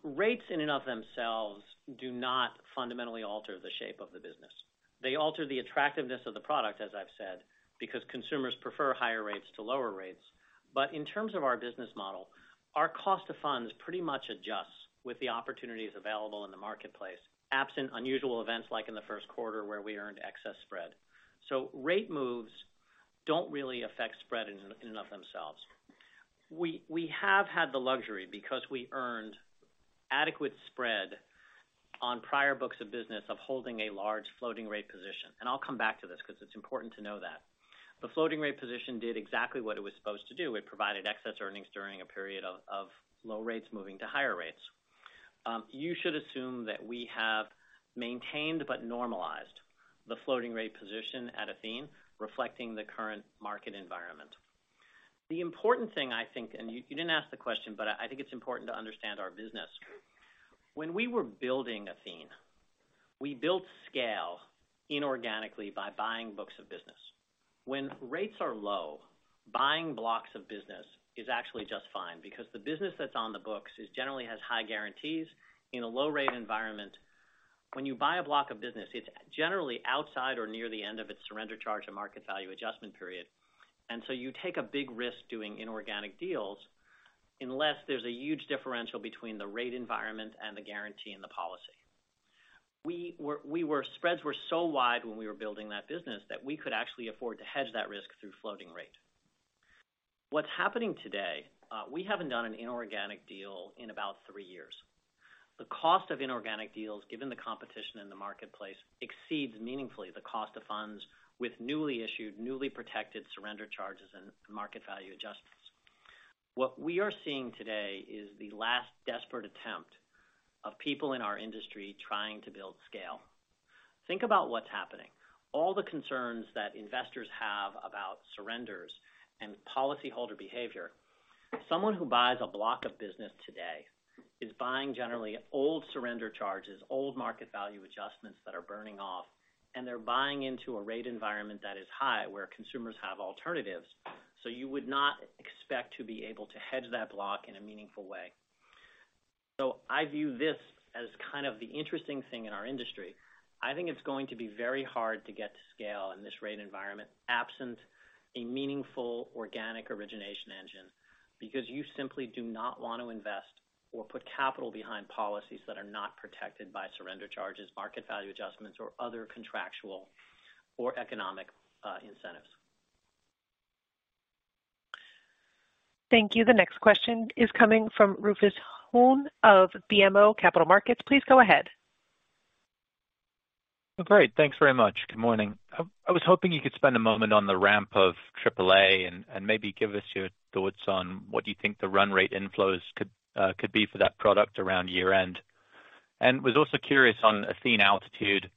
rates in and of themselves do not fundamentally alter the shape of the business. They alter the attractiveness of the product, as I've said, because consumers prefer higher rates to lower rates. In terms of our business model, our cost of funds pretty much adjusts with the opportunities available in the marketplace, absent unusual events like in the Q1, where we earned excess spread. Rate moves don't really affect spread in and of themselves. We, we have had the luxury because we earned adequate spread on prior books of business of holding a large floating rate position. I'll come back to this because it's important to know that. The floating rate position did exactly what it was supposed to do. It provided excess earnings during a period of low rates moving to higher rates. You should assume that we have maintained but normalized the floating rate position at Athene, reflecting the current market environment. The important thing I think, and you didn't ask the question, but I think it's important to understand our business. When we were building Athene, we built scale inorganically by buying books of business. When rates are low, buying blocks of business is actually just fine because the business that's on the books is generally has high guarantees in a low rate environment. When you buy a block of business, it's generally outside or near the end of its surrender charge and market value adjustment period. You take a big risk doing inorganic deals unless there's a huge differential between the rate environment and the guarantee in the policy. Spreads were so wide when we were building that business, that we could actually afford to hedge that risk through floating rate. What's happening today, we haven't done an inorganic deal in about three years. The cost of inorganic deals, given the competition in the marketplace, exceeds meaningfully the cost of funds with newly issued, newly protected surrender charges and market value adjustments. What we are seeing today is the last desperate attempt of people in our industry trying to build scale. Think about what's happening. All the concerns that investors have about surrenders and policyholder behavior. Someone who buys a block of business today is buying generally old surrender charges, old market value adjustments that are burning off, and they're buying into a rate environment that is high, where consumers have alternatives. You would not expect to be able to hedge that block in a meaningful way. I view this as kind of the interesting thing in our industry. I think it's going to be very hard to get to scale in this rate environment, absent a meaningful organic origination engine, because you simply do not want to invest or put capital behind policies that are not protected by surrender charges, market value adjustments, or other contractual or economic incentives. Thank you. The next question is coming from Rufus Hone of BMO Capital Markets. Please go ahead. Great. Thanks very much. Good morning. I was hoping you could spend a moment on the ramp of AAA and maybe give us your thoughts on what you think the run rate inflows could be for that product around year-end. Was also curious on Athene Altitude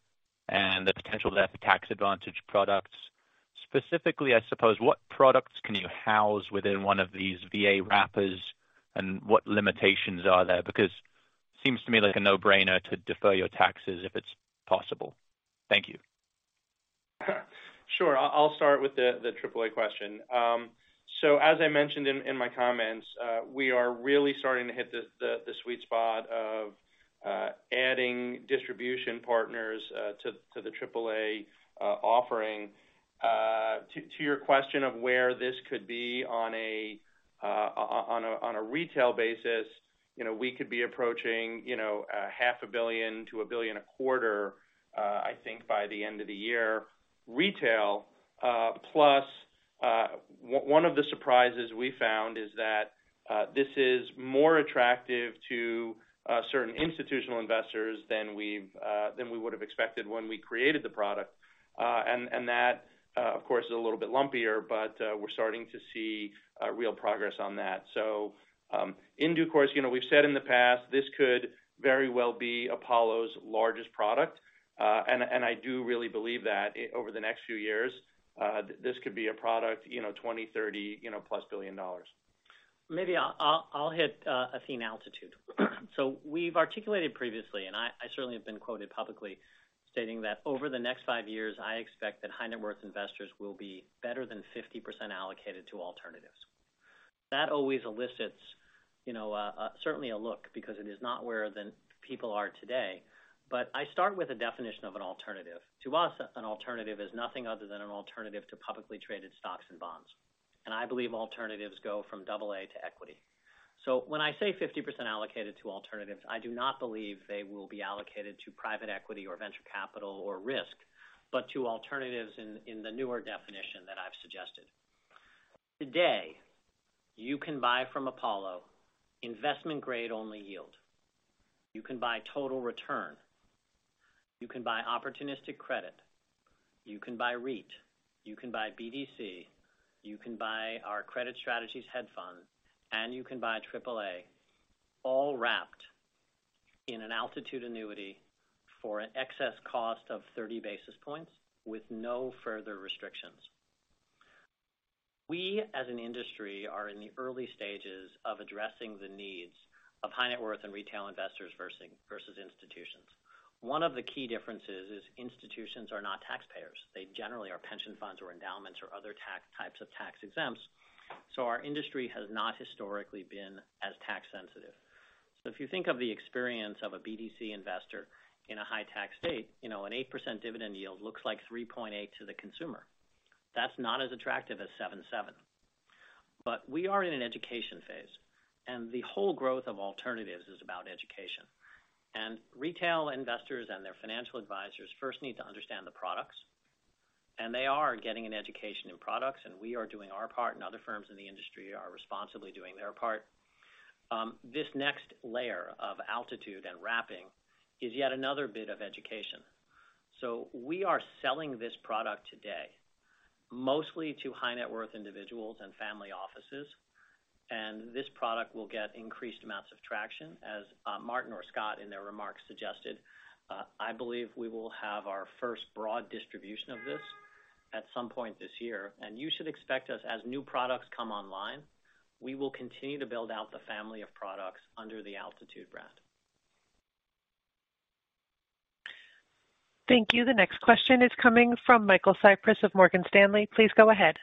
and the potential there for tax advantage products. Specifically, I suppose, what products can you house within one of these VA wrappers and what limitations are there? Seems to me like a no-brainer to defer your taxes if it's possible. Thank you. Sure. I'll start with the AAA question. As I mentioned in my comments, we are really starting to hit the sweet spot of adding distribution partners to the AAA offering. To your question of where this could be on a retail basis, you know, we could be approaching, you know, half a billion to $1 billion a quarter, I think by the end of the year. Retail, plus, one of the surprises we found is that this is more attractive to certain institutional investors than we've than we would have expected when we created the product. That, of course, is a little bit lumpier, but we're starting to see real progress on that. In due course, you know, we've said in the past, this could very well be Apollo's largest product. I do really believe that over the next few years, this could be a product, you know, $20 billion, $30+ billion dollars. Maybe I'll hit Athene Altitude. We've articulated previously, I certainly have been quoted publicly stating that over the next five years, I expect that high net worth investors will be better than 50% allocated to alternatives. That always elicits, you know, certainly a look because it is not where the people are today. I start with a definition of an alternative. To us, an alternative is nothing other than an alternative to publicly traded stocks and bonds. I believe alternatives go from AA to equity. When I say 50% allocated to alternatives, I do not believe they will be allocated to private equity or venture capital or risk, but to alternatives in the newer definition that I've suggested. Today, you can buy from Apollo investment grade only yield. You can buy total return, you can buy opportunistic credit, you can buy REIT, you can buy BDC, you can buy our credit strategies hedge fund, and you can buy AAA all wrapped in an Altitude annuity for an excess cost of 30 basis points with no further restrictions. We, as an industry, are in the early stages of addressing the needs of high net worth and retail investors versus institutions. One of the key differences is institutions are not taxpayers. They generally are pension funds or endowments or other types of tax exempts. Our industry has not historically been as tax sensitive. If you think of the experience of a BDC investor in a high tax state, you know, an 8% dividend yield looks like 3.8 to the consumer. That's not as attractive as 7-7. We are in an education phase, and the whole growth of alternatives is about education. Retail investors and their financial advisors first need to understand the products, and they are getting an education in products, and we are doing our part, and other firms in the industry are responsibly doing their part. This next layer of Altitude and wrapping is yet another bit of education. We are selling this product today. Mostly to high net worth individuals and family offices. This product will get increased amounts of traction as Martin or Scott in their remarks suggested. I believe we will have our first broad distribution of this at some point this year, and you should expect us as new products come online, we will continue to build out the family of products under the Altitude brand. Thank you. The next question is coming from Michael Cyprys of Morgan Stanley. Please go ahead.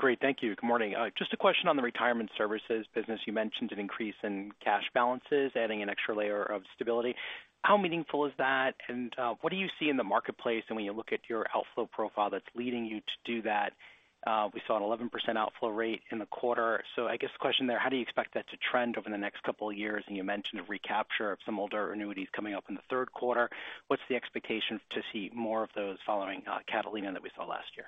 Great, thank you. Good morning. Just a question on the retirement services business. You mentioned an increase in cash balances, adding an extra layer of stability. How meaningful is that? What do you see in the marketplace and when you look at your outflow profile that's leading you to do that? We saw an 11% outflow rate in the quarter. I guess the question there, how do you expect that to trend over the next couple of years? You mentioned a recapture of some older annuities coming up in the Q3. What's the expectation to see more of those following Catalina that we saw last year?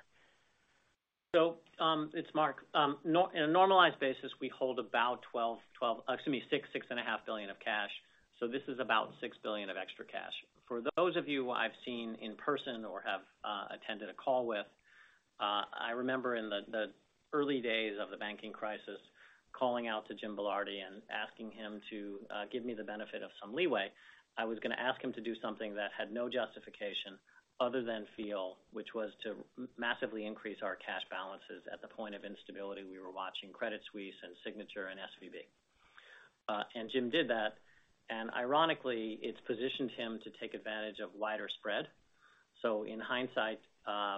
It's Marc Rowan. In a normalized basis, we hold about $6.5 billion of cash. This is about $6 billion of extra cash. For those of you who I've seen in person or have attended a call with, I remember in the early days of the banking crisis, calling out to Jim Belardi and asking him to give me the benefit of some leeway. I was gonna ask him to do something that had no justification other than feel, which was to massively increase our cash balances at the point of instability we were watching Credit Suisse and Signature and SVB. Jim did that, and ironically, it's positioned him to take advantage of wider spread. In hindsight, I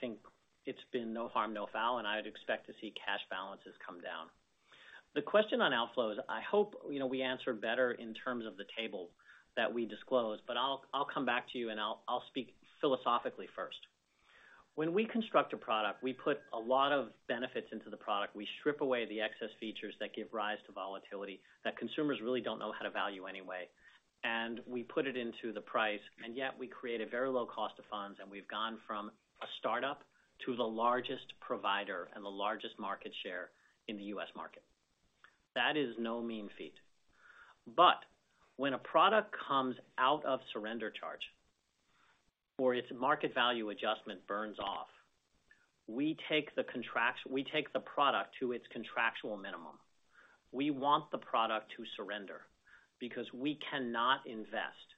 think it's been no harm, no foul, and I'd expect to see cash balances come down. The question on outflows, I hope, you know, we answer better in terms of the table that we disclose, but I'll come back to you and I'll speak philosophically first. When we construct a product, we put a lot of benefits into the product. We strip away the excess features that give rise to volatility that consumers really don't know how to value anyway. We put it into the price, and yet we create a very low cost of funds, and we've gone from a start-up to the largest provider and the largest market share in the U.S. market. That is no mean feat. When a product comes out of surrender charge, or its market value adjustment burns off, we take the product to its contractual minimum. We want the product to surrender because we cannot invest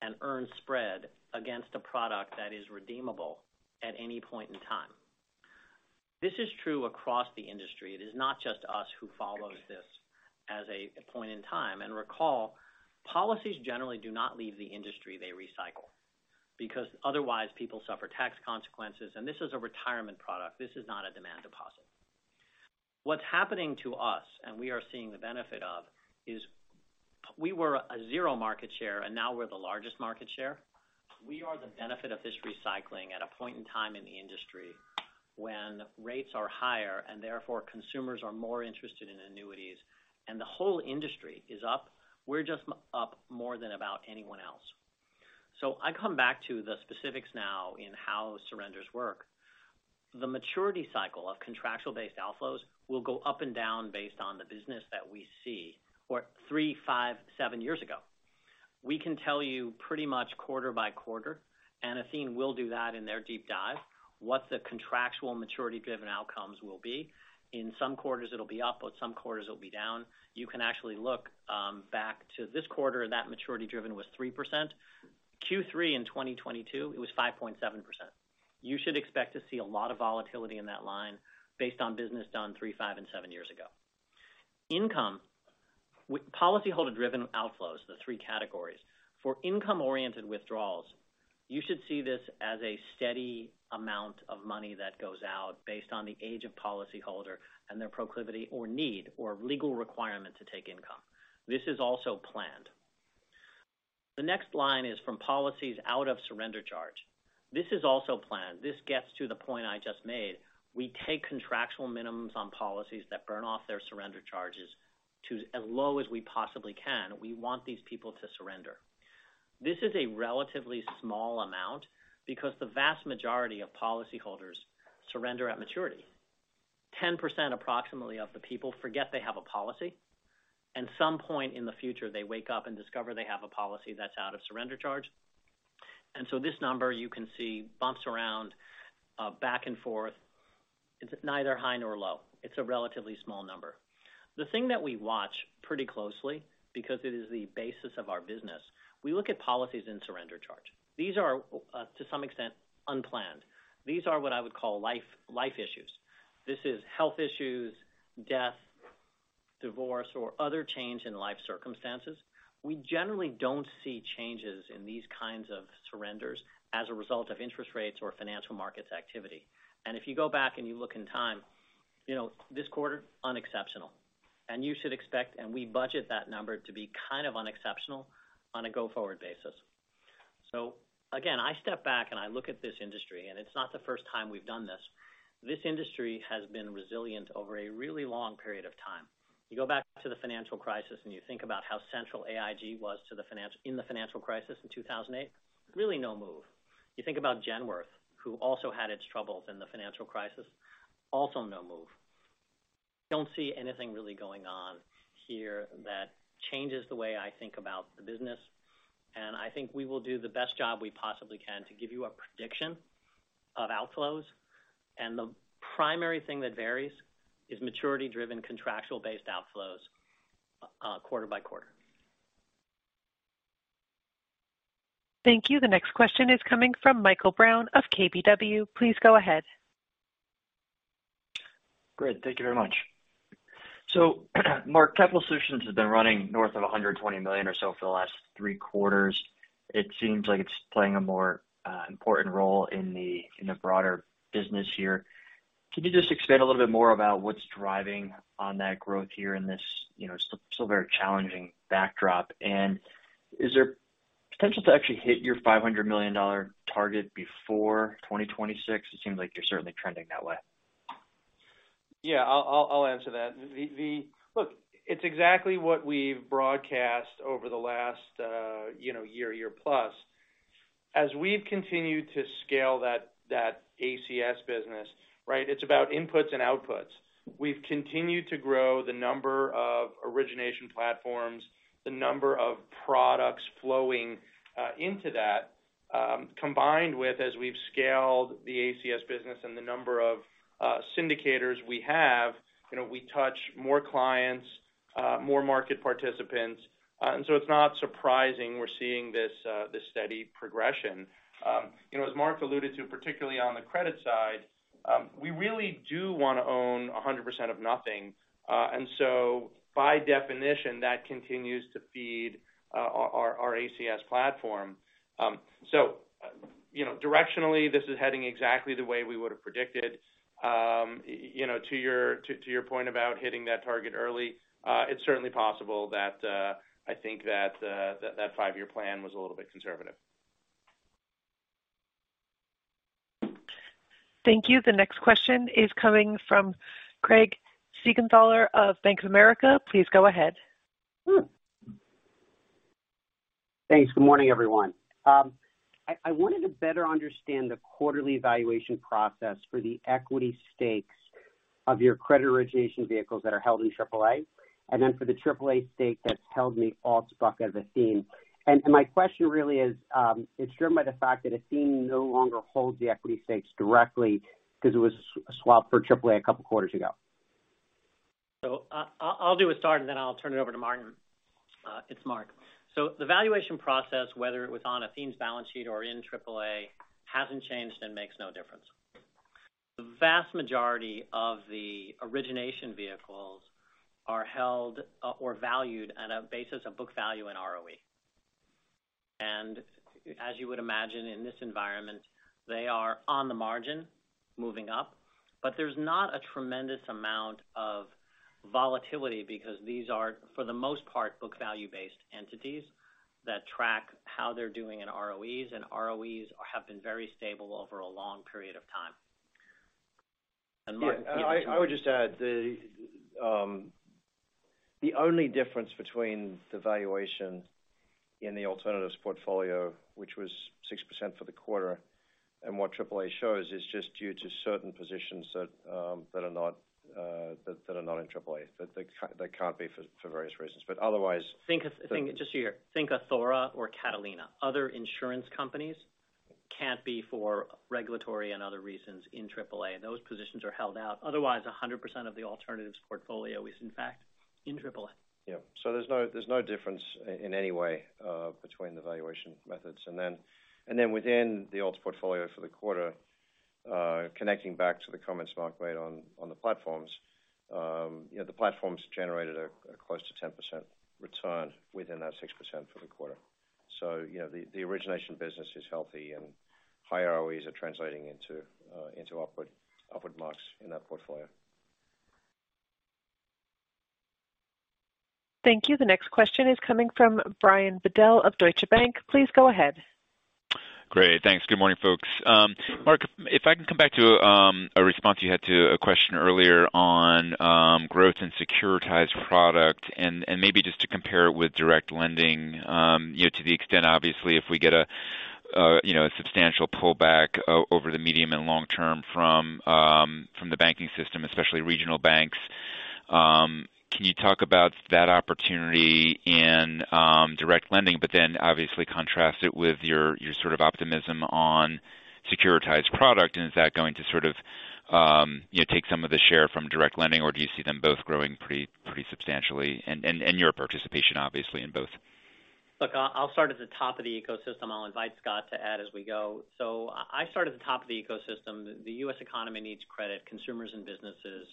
and earn spread against a product that is redeemable at any point in time. This is true across the industry. It is not just us who follows this as a point in time. Recall, policies generally do not leave the industry. They recycle, because otherwise people suffer tax consequences, and this is a retirement product. This is not a demand deposit. What's happening to us, and we are seeing the benefit of, is we were a zero market share, and now we're the largest market share. We are the benefit of this recycling at a point in time in the industry when rates are higher and therefore consumers are more interested in annuities and the whole industry is up. We're just up more than about anyone else. I come back to the specifics now in how surrenders work. The maturity cycle of contractual-based outflows will go up and down based on the business that we see or three, five, seven years ago. We can tell you pretty much quarter-by-quarter, and Athene will do that in their deep dive, what the contractual maturity-driven outcomes will be. In some quarters, it'll be up, but some quarters it'll be down. You can actually look back to this quarter, that maturity-driven was 3%. Q3 in 2022, it was 5.7%. You should expect to see a lot of volatility in that line based on business done three, five, and seven years ago. Income. Policyholder-driven outflows, the three categories. For income-oriented withdrawals, you should see this as a steady amount of money that goes out based on the age of policyholder and their proclivity or need or legal requirement to take income. This is also planned. The next line is from policies out of surrender charge. This is also planned. This gets to the point I just made. We take contractual minimums on policies that burn off their surrender charges to as low as we possibly can. We want these people to surrender. This is a relatively small amount because the vast majority of policyholders surrender at maturity. 10% approximately of the people forget they have a policy, and some point in the future, they wake up and discover they have a policy that's out of surrender charge. This number you can see bumps around back and forth. It's neither high nor low. It's a relatively small number. The thing that we watch pretty closely because it is the basis of our business, we look at policies in surrender charge. These are, to some extent, unplanned. These are what I would call life issues. This is health issues, death, divorce, or other change in life circumstances. We generally don't see changes in these kinds of surrenders as a result of interest rates or financial markets activity. If you go back and you look in time, you know, this quarter, unexceptional. You should expect, and we budget that number to be kind of unexceptional on a go-forward basis. Again, I step back and I look at this industry, and it's not the first time we've done this. This industry has been resilient over a really long period of time. You go back to the financial crisis and you think about how central AIG was to the financial crisis in 2008, really no move. You think about Genworth, who also had its troubles in the financial crisis, also no move. Don't see anything really going on here that changes the way I think about the business. I think we will do the best job we possibly can to give you a prediction of outflows. The primary thing that varies is maturity-driven contractual based outflows, quarter-by-quarter. Thank you. The next question is coming from Michael Brown of KBW. Please go ahead. Great. Thank you very much. Marc, Capital Solutions has been running north of $120 million or so for the last three quarters. It seems like it's playing a more important role in the broader business here. Could you just expand a little bit more about what's driving on that growth here in this, you know, still very challenging backdrop? Is there potential to actually hit your $500 million target before 2026? It seems like you're certainly trending that way. Yeah. I'll answer that. Look, it's exactly what we've broadcast over the last, you know, year plus. As we've continued to scale that ACS business, right? It's about inputs and outputs. We've continued to grow the number of origination platforms, the number of products flowing into that, combined with as we've scaled the ACS business and the number of syndicators we have. You know, we touch more clients, more market participants. It's not surprising we're seeing this steady progression. You know, as Marc alluded to, particularly on the credit side, we really do wanna own 100% of nothing. By definition, that continues to feed our ACS platform. You know, directionally, this is heading exactly the way we would have predicted. You know, to your point about hitting that target early, it's certainly possible that, I think that five-year plan was a little bit conservative. Thank you. The next question is coming from Craig Siegenthaler of Bank of America. Please go ahead. Thanks. Good morning, everyone. I wanted to better understand the quarterly evaluation process for the equity stakes of your credit origination vehicles that are held in AAA, and then for the AAA stake that's held in the ATLAS SP as Athene. My question really is, it's driven by the fact that Athene no longer holds the equity stakes directly because it was swapped for AAA a couple quarters ago. I'll do a start, and then I'll turn it over to Martin. It's Marc. The valuation process, whether it was on Athene's balance sheet or in AAA, hasn't changed and makes no difference. The vast majority of the origination vehicles are held or valued on a basis of book value in ROE. As you would imagine in this environment, they are on the margin moving up. There's not a tremendous amount of volatility because these are, for the most part, book value-based entities that track how they're doing in ROEs, and ROEs have been very stable over a long period of time. Yeah. I would just add the only difference between the valuation in the alternatives portfolio, which was 6% for the quarter, and what AAA shows is just due to certain positions that are not in AAA. That they can't be for various reasons. But otherwise. Think just here. Think of Athora or Catalina. Other insurance companies can't be for regulatory and other reasons in AAA, and those positions are held out. Otherwise, 100% of the alternatives portfolio is in fact in AAA. Yeah. There's no difference in any way, between the valuation methods. Then within the alts portfolio for the quarter, connecting back to the comments Marc made on the platforms, you know, the platforms generated a close to 10% return within that 6% for the quarter. You know, the origination business is healthy and high ROEs are translating into upward marks in that portfolio. Thank you. The next question is coming from Brian Bedell of Deutsche Bank. Please go ahead. Great. Thanks. Good morning, folks. Marc, if I can come back to a response you had to a question earlier on growth and securitized product, and maybe just to compare it with direct lending, you know, to the extent, obviously, if we get a, you know, a substantial pullback over the medium and long term from the banking system, especially regional banks. Can you talk about that opportunity in direct lending, but then obviously contrast it with your sort of optimism on securitized product? Is that going to sort of, you know, take some of the share from direct lending, or do you see them both growing pretty substantially and your participation obviously in both? Look, I'll start at the top of the ecosystem. I'll invite Scott to add as we go. I start at the top of the ecosystem. The U.S. economy needs credit, consumers and businesses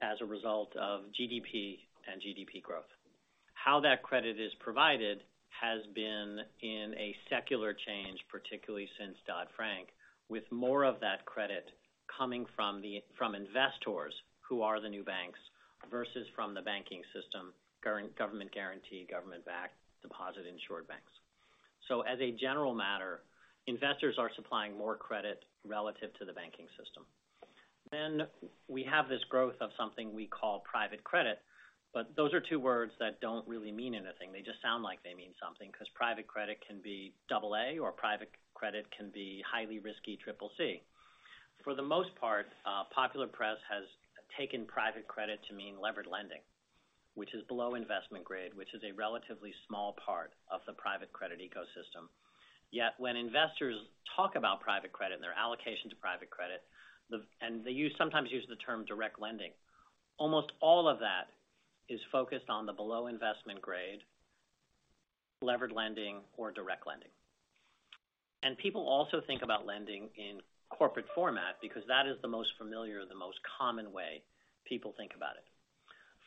as a result of GDP and GDP growth. How that credit is provided has been in a secular change, particularly since Dodd-Frank, with more of that credit coming from investors who are the new banks versus from the banking system, government guarantee, government-backed deposit insured banks. As a general matter, investors are supplying more credit relative to the banking system. We have this growth of something we call private credit. But those are two words that don't really mean anything. They just sound like they mean something because private credit can be AA or private credit can be highly risky CCC. For the most part, popular press has taken private credit to mean levered lending, which is below investment grade, which is a relatively small part of the private credit ecosystem. When investors talk about private credit and their allocation to private credit, and they sometimes use the term direct lending. Almost all of that is focused on the below investment grade levered lending or direct lending. People also think about lending in corporate format because that is the most familiar, the most common way people think about it.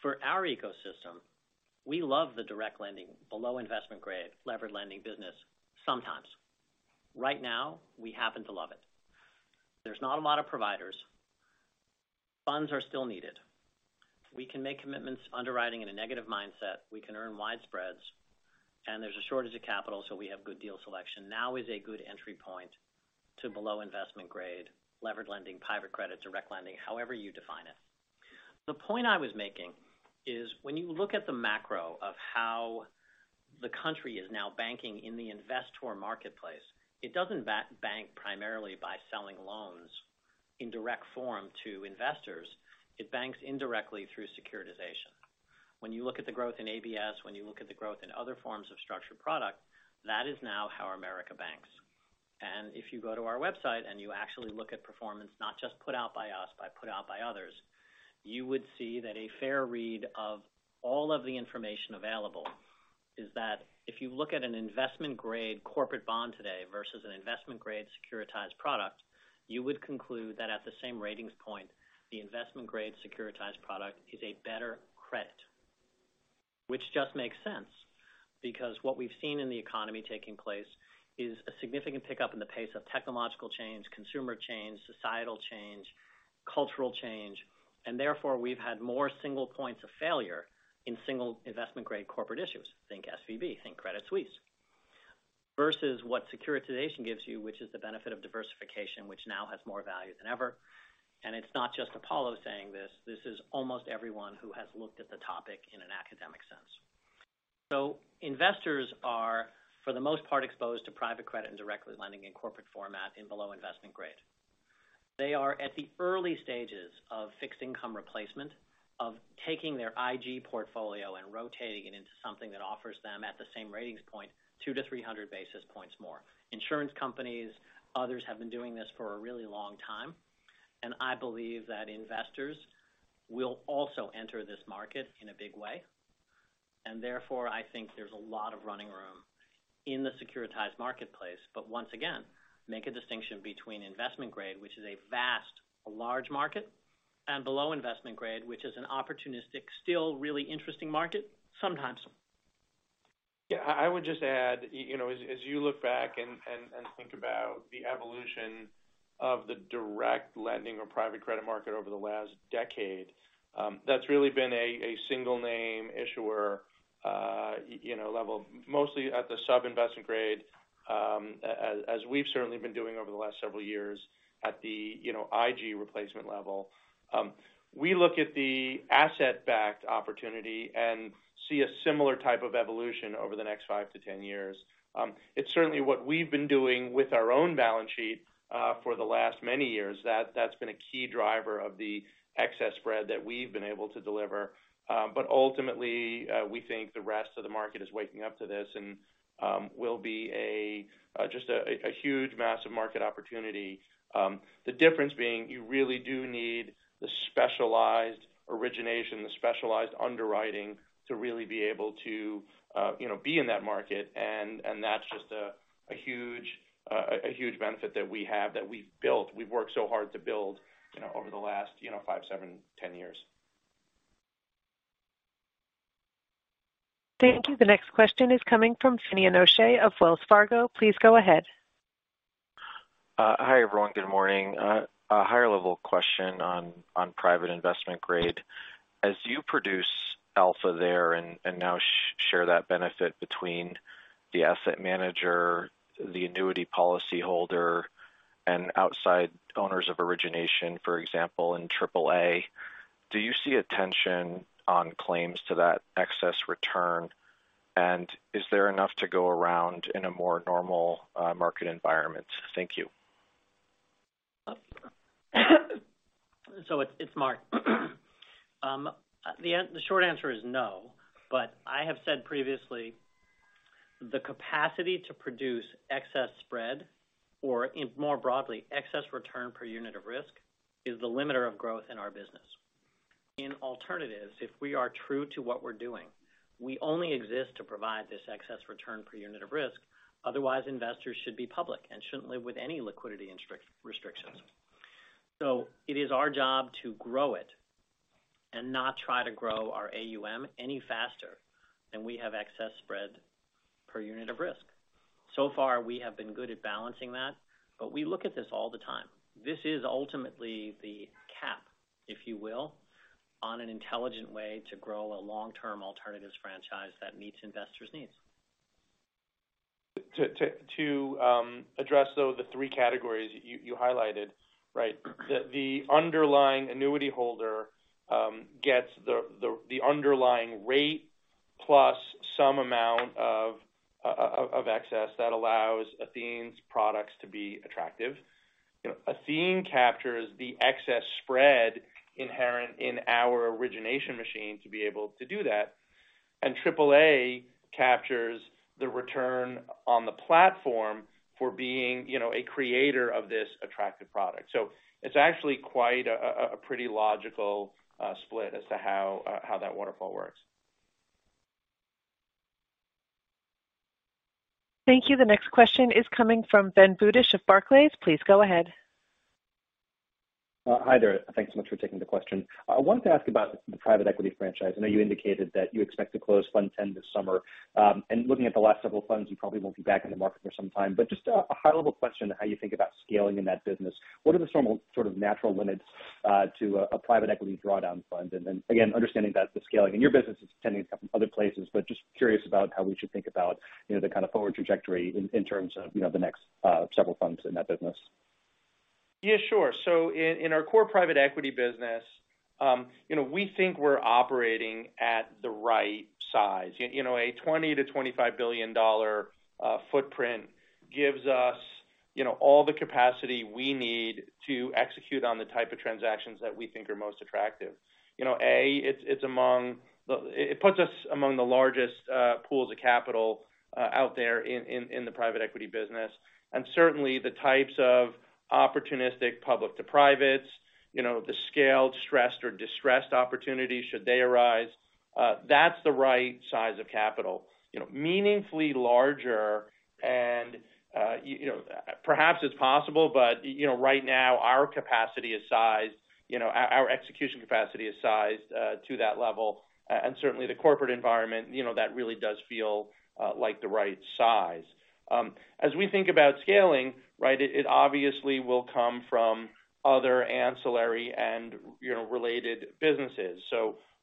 For our ecosystem, we love the direct lending below investment grade levered lending business sometimes. Right now, we happen to love it. There's not a lot of providers. Funds are still needed. We can make commitments underwriting in a negative mindset. We can earn wide spreads, and there's a shortage of capital, so we have good deal selection. Now is a good entry point to below investment grade levered lending, private credit, direct lending, however you define it. The point I was making is when you look at the macro of how the country is now banking in the investor marketplace, it doesn't bank primarily by selling loans in direct form to investors. It banks indirectly through securitization. When you look at the growth in ABS, when you look at the growth in other forms of structured product, that is now how America banks. If you go to our website and you actually look at performance, not just put out by us, but put out by others, you would see that a fair read of all of the information available is that if you look at an investment-grade corporate bond today versus an investment-grade securitized product, you would conclude that at the same ratings point, the investment-grade securitized product is a better credit. Which just makes sense because what we've seen in the economy taking place is a significant pickup in the pace of technological change, consumer change, societal change, cultural change. Therefore, we've had more single points of failure in single investment-grade corporate issues. Think SVB, think Credit Suisse. Versus what securitization gives you, which is the benefit of diversification, which now has more value than ever. It's not just Apollo saying this. This is almost everyone who has looked at the topic in an academic sense. Investors are, for the most part, exposed to private credit and directly lending in corporate format in below investment grade. They are at the early stages of fixed income replacement, of taking their IG portfolio and rotating it into something that offers them, at the same ratings point, 200-300 basis points more. Insurance companies, others have been doing this for a really long time, and I believe that investors will also enter this market in a big way. Therefore, I think there's a lot of running room in the securitized marketplace. Once again, make a distinction between investment grade, which is a vast, a large market, and below investment grade, which is an opportunistic, still really interesting market sometimes. Yeah, I would just add, you know, as you look back and think about the evolution of the direct lending or private credit market over the last decade, that's really been a single name issuer, you know, level. Mostly at the sub-investment grade, as we've certainly been doing over the last several years at the, you know, IG replacement level. We look at the asset-backed opportunity and see a similar type of evolution over the next five to 10 years. It's certainly what we've been doing with our own balance sheet, for the last many years. That's been a key driver of the excess spread that we've been able to deliver. Ultimately, we think the rest of the market is waking up to this and, will be just a huge massive market opportunity. The difference being you really do need the specialized origination, the specialized underwriting to really be able to, you know, be in that market. That's just a huge benefit that we have, that we've built, we've worked so hard to build, you know, over the last, you know, five, seven, 10 years. Thank you. The next question is coming from Finian O'Shea of Wells Fargo. Please go ahead. Hi, everyone. Good morning. A higher level question on private investment grade. As you produce alpha there and now share that benefit between the asset manager, the annuity policyholder, and outside owners of origination, for example, in AAA. Do you see a tension on claims to that excess return? Is there enough to go around in a more normal market environment? Thank you. It's Marc. The short answer is no. I have said previously the capacity to produce excess spread, or in more broadly, excess return per unit of risk, is the limiter of growth in our business. In alternatives, if we are true to what we're doing, we only exist to provide this excess return per unit of risk. Otherwise, investors should be public and shouldn't live with any liquidity restrictions. It is our job to grow it and not try to grow our AUM any faster than we have excess spread per unit of risk. Far, we have been good at balancing that. We look at this all the time. This is ultimately the cap, if you will, on an intelligent way to grow a long-term alternatives franchise that meets investors' needs. To address though the three categories you highlighted, right. The underlying annuity holder gets the underlying rate plus some amount of excess that allows Athene's products to be attractive. You know, Athene captures the excess spread inherent in our origination machine to be able to do that. AAA captures the return on the platform for being, you know, a creator of this attractive product. It's actually quite a pretty logical split as to how that waterfall works. Thank you. The next question is coming from Ben Budish of Barclays. Please go ahead. Hi there. Thanks so much for taking the question. I wanted to ask about the private equity franchise. I know you indicated that you expect to close Fund X this summer. Looking at the last several funds, you probably won't be back in the market for some time, but just a high-level question, how you think about scaling in that business. What are the sort of natural limits to a private equity drawdown fund? Then again, understanding that the scaling in your business is tending to come from other places, but just curious about how we should think about, you know, the kind of forward trajectory in terms of, you know, the next several funds in that business. Yeah, sure. In, in our core private equity business, you know, we think we're operating at the right size. You know, a $20 billion-$25 billion footprint gives us, you know, all the capacity we need to execute on the type of transactions that we think are most attractive. You know, it puts us among the largest pools of capital out there in, in the private equity business, and certainly the types of opportunistic public to privates, you know, the scaled, stressed or distressed opportunities should they arise. That's the right size of capital. You know, meaningfully larger and, you know, perhaps it's possible, but, you know, right now our capacity is sized, you know, our execution capacity is sized to that level. Certainly the corporate environment, you know, that really does feel like the right size. As we think about scaling, right, it obviously will come from other ancillary and, you know, related businesses.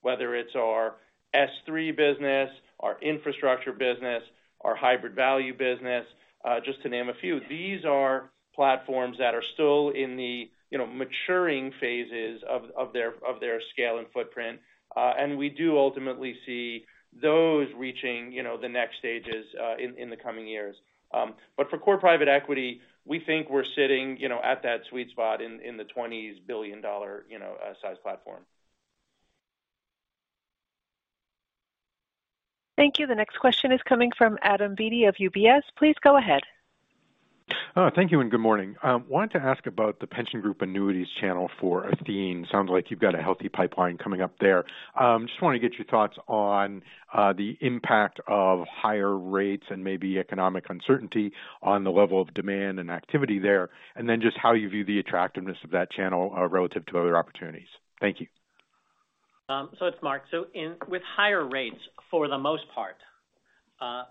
Whether it's our S3 business, our infrastructure business, our hybrid value business, just to name a few. These are platforms that are still in the, you know, maturing phases of their, of their scale and footprint. We do ultimately see those reaching, you know, the next stages in the coming years. For core private equity, we think we're sitting, you know, at that sweet spot in the $20s billion, you know, size platform. Thank you. The next question is coming from Adam Beatty of UBS. Please go ahead. Thank you, and good morning. Wanted to ask about the pension group annuities channel for Athene. Sounds like you've got a healthy pipeline coming up there. Just wanna get your thoughts on the impact of higher rates and maybe economic uncertainty on the level of demand and activity there, and then just how you view the attractiveness of that channel relative to other opportunities. Thank you. It's Marc. With higher rates, for the most part,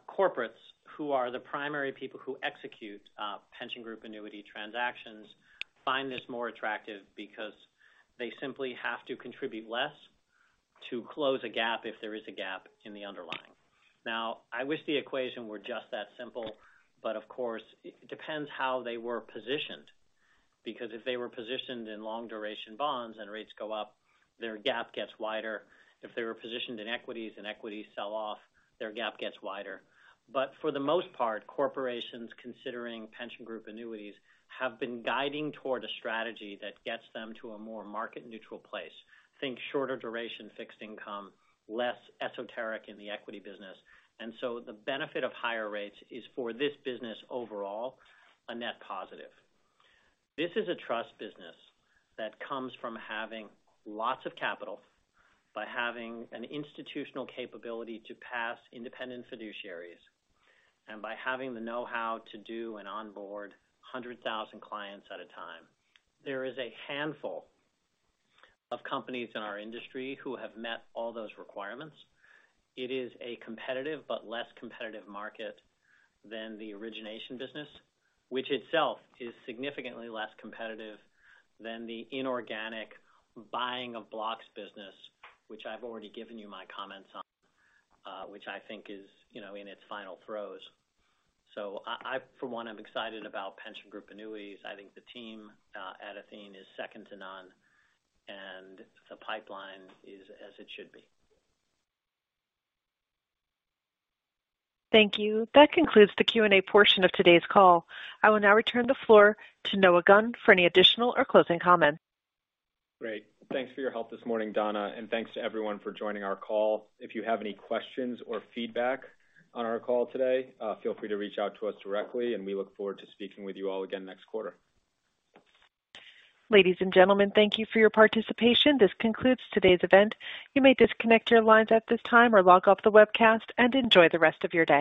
corporates, who are the primary people who execute pension group annuity transactions, find this more attractive because they simply have to contribute less to close a gap if there is a gap in the underlying. Now, I wish the equation were just that simple, but of course, it depends how they were positioned. Because if they were positioned in long duration bonds and rates go up, their gap gets wider. If they were positioned in equities and equities sell off, their gap gets wider. For the most part, corporations considering pension group annuities have been guiding toward a strategy that gets them to a more market neutral place. Think shorter duration fixed income, less esoteric in the equity business. The benefit of higher rates is, for this business overall, a net positive. This is a trust business that comes from having lots of capital by having an institutional capability to pass independent fiduciaries and by having the know-how to do and onboard 100,000 clients at a time. There is a handful of companies in our industry who have met all those requirements. It is a competitive but less competitive market than the origination business, which itself is significantly less competitive than the inorganic buying of blocks business, which I've already given you my comments on, which I think is, you know, in its final throes. I for one, I'm excited about pension group annuities. I think the team at Athene is second to none, and the pipeline is as it should be. Thank you. That concludes the Q&A portion of today's call. I will now return the floor to Noah Gunn for any additional or closing comments. Great. Thanks for your help this morning, Donna, and thanks to everyone for joining our call. If you have any questions or feedback on our call today, feel free to reach out to us directly, and we look forward to speaking with you all again next quarter. Ladies and gentlemen, thank you for your participation. This concludes today's event. You may disconnect your lines at this time or log off the webcast and enjoy the rest of your day.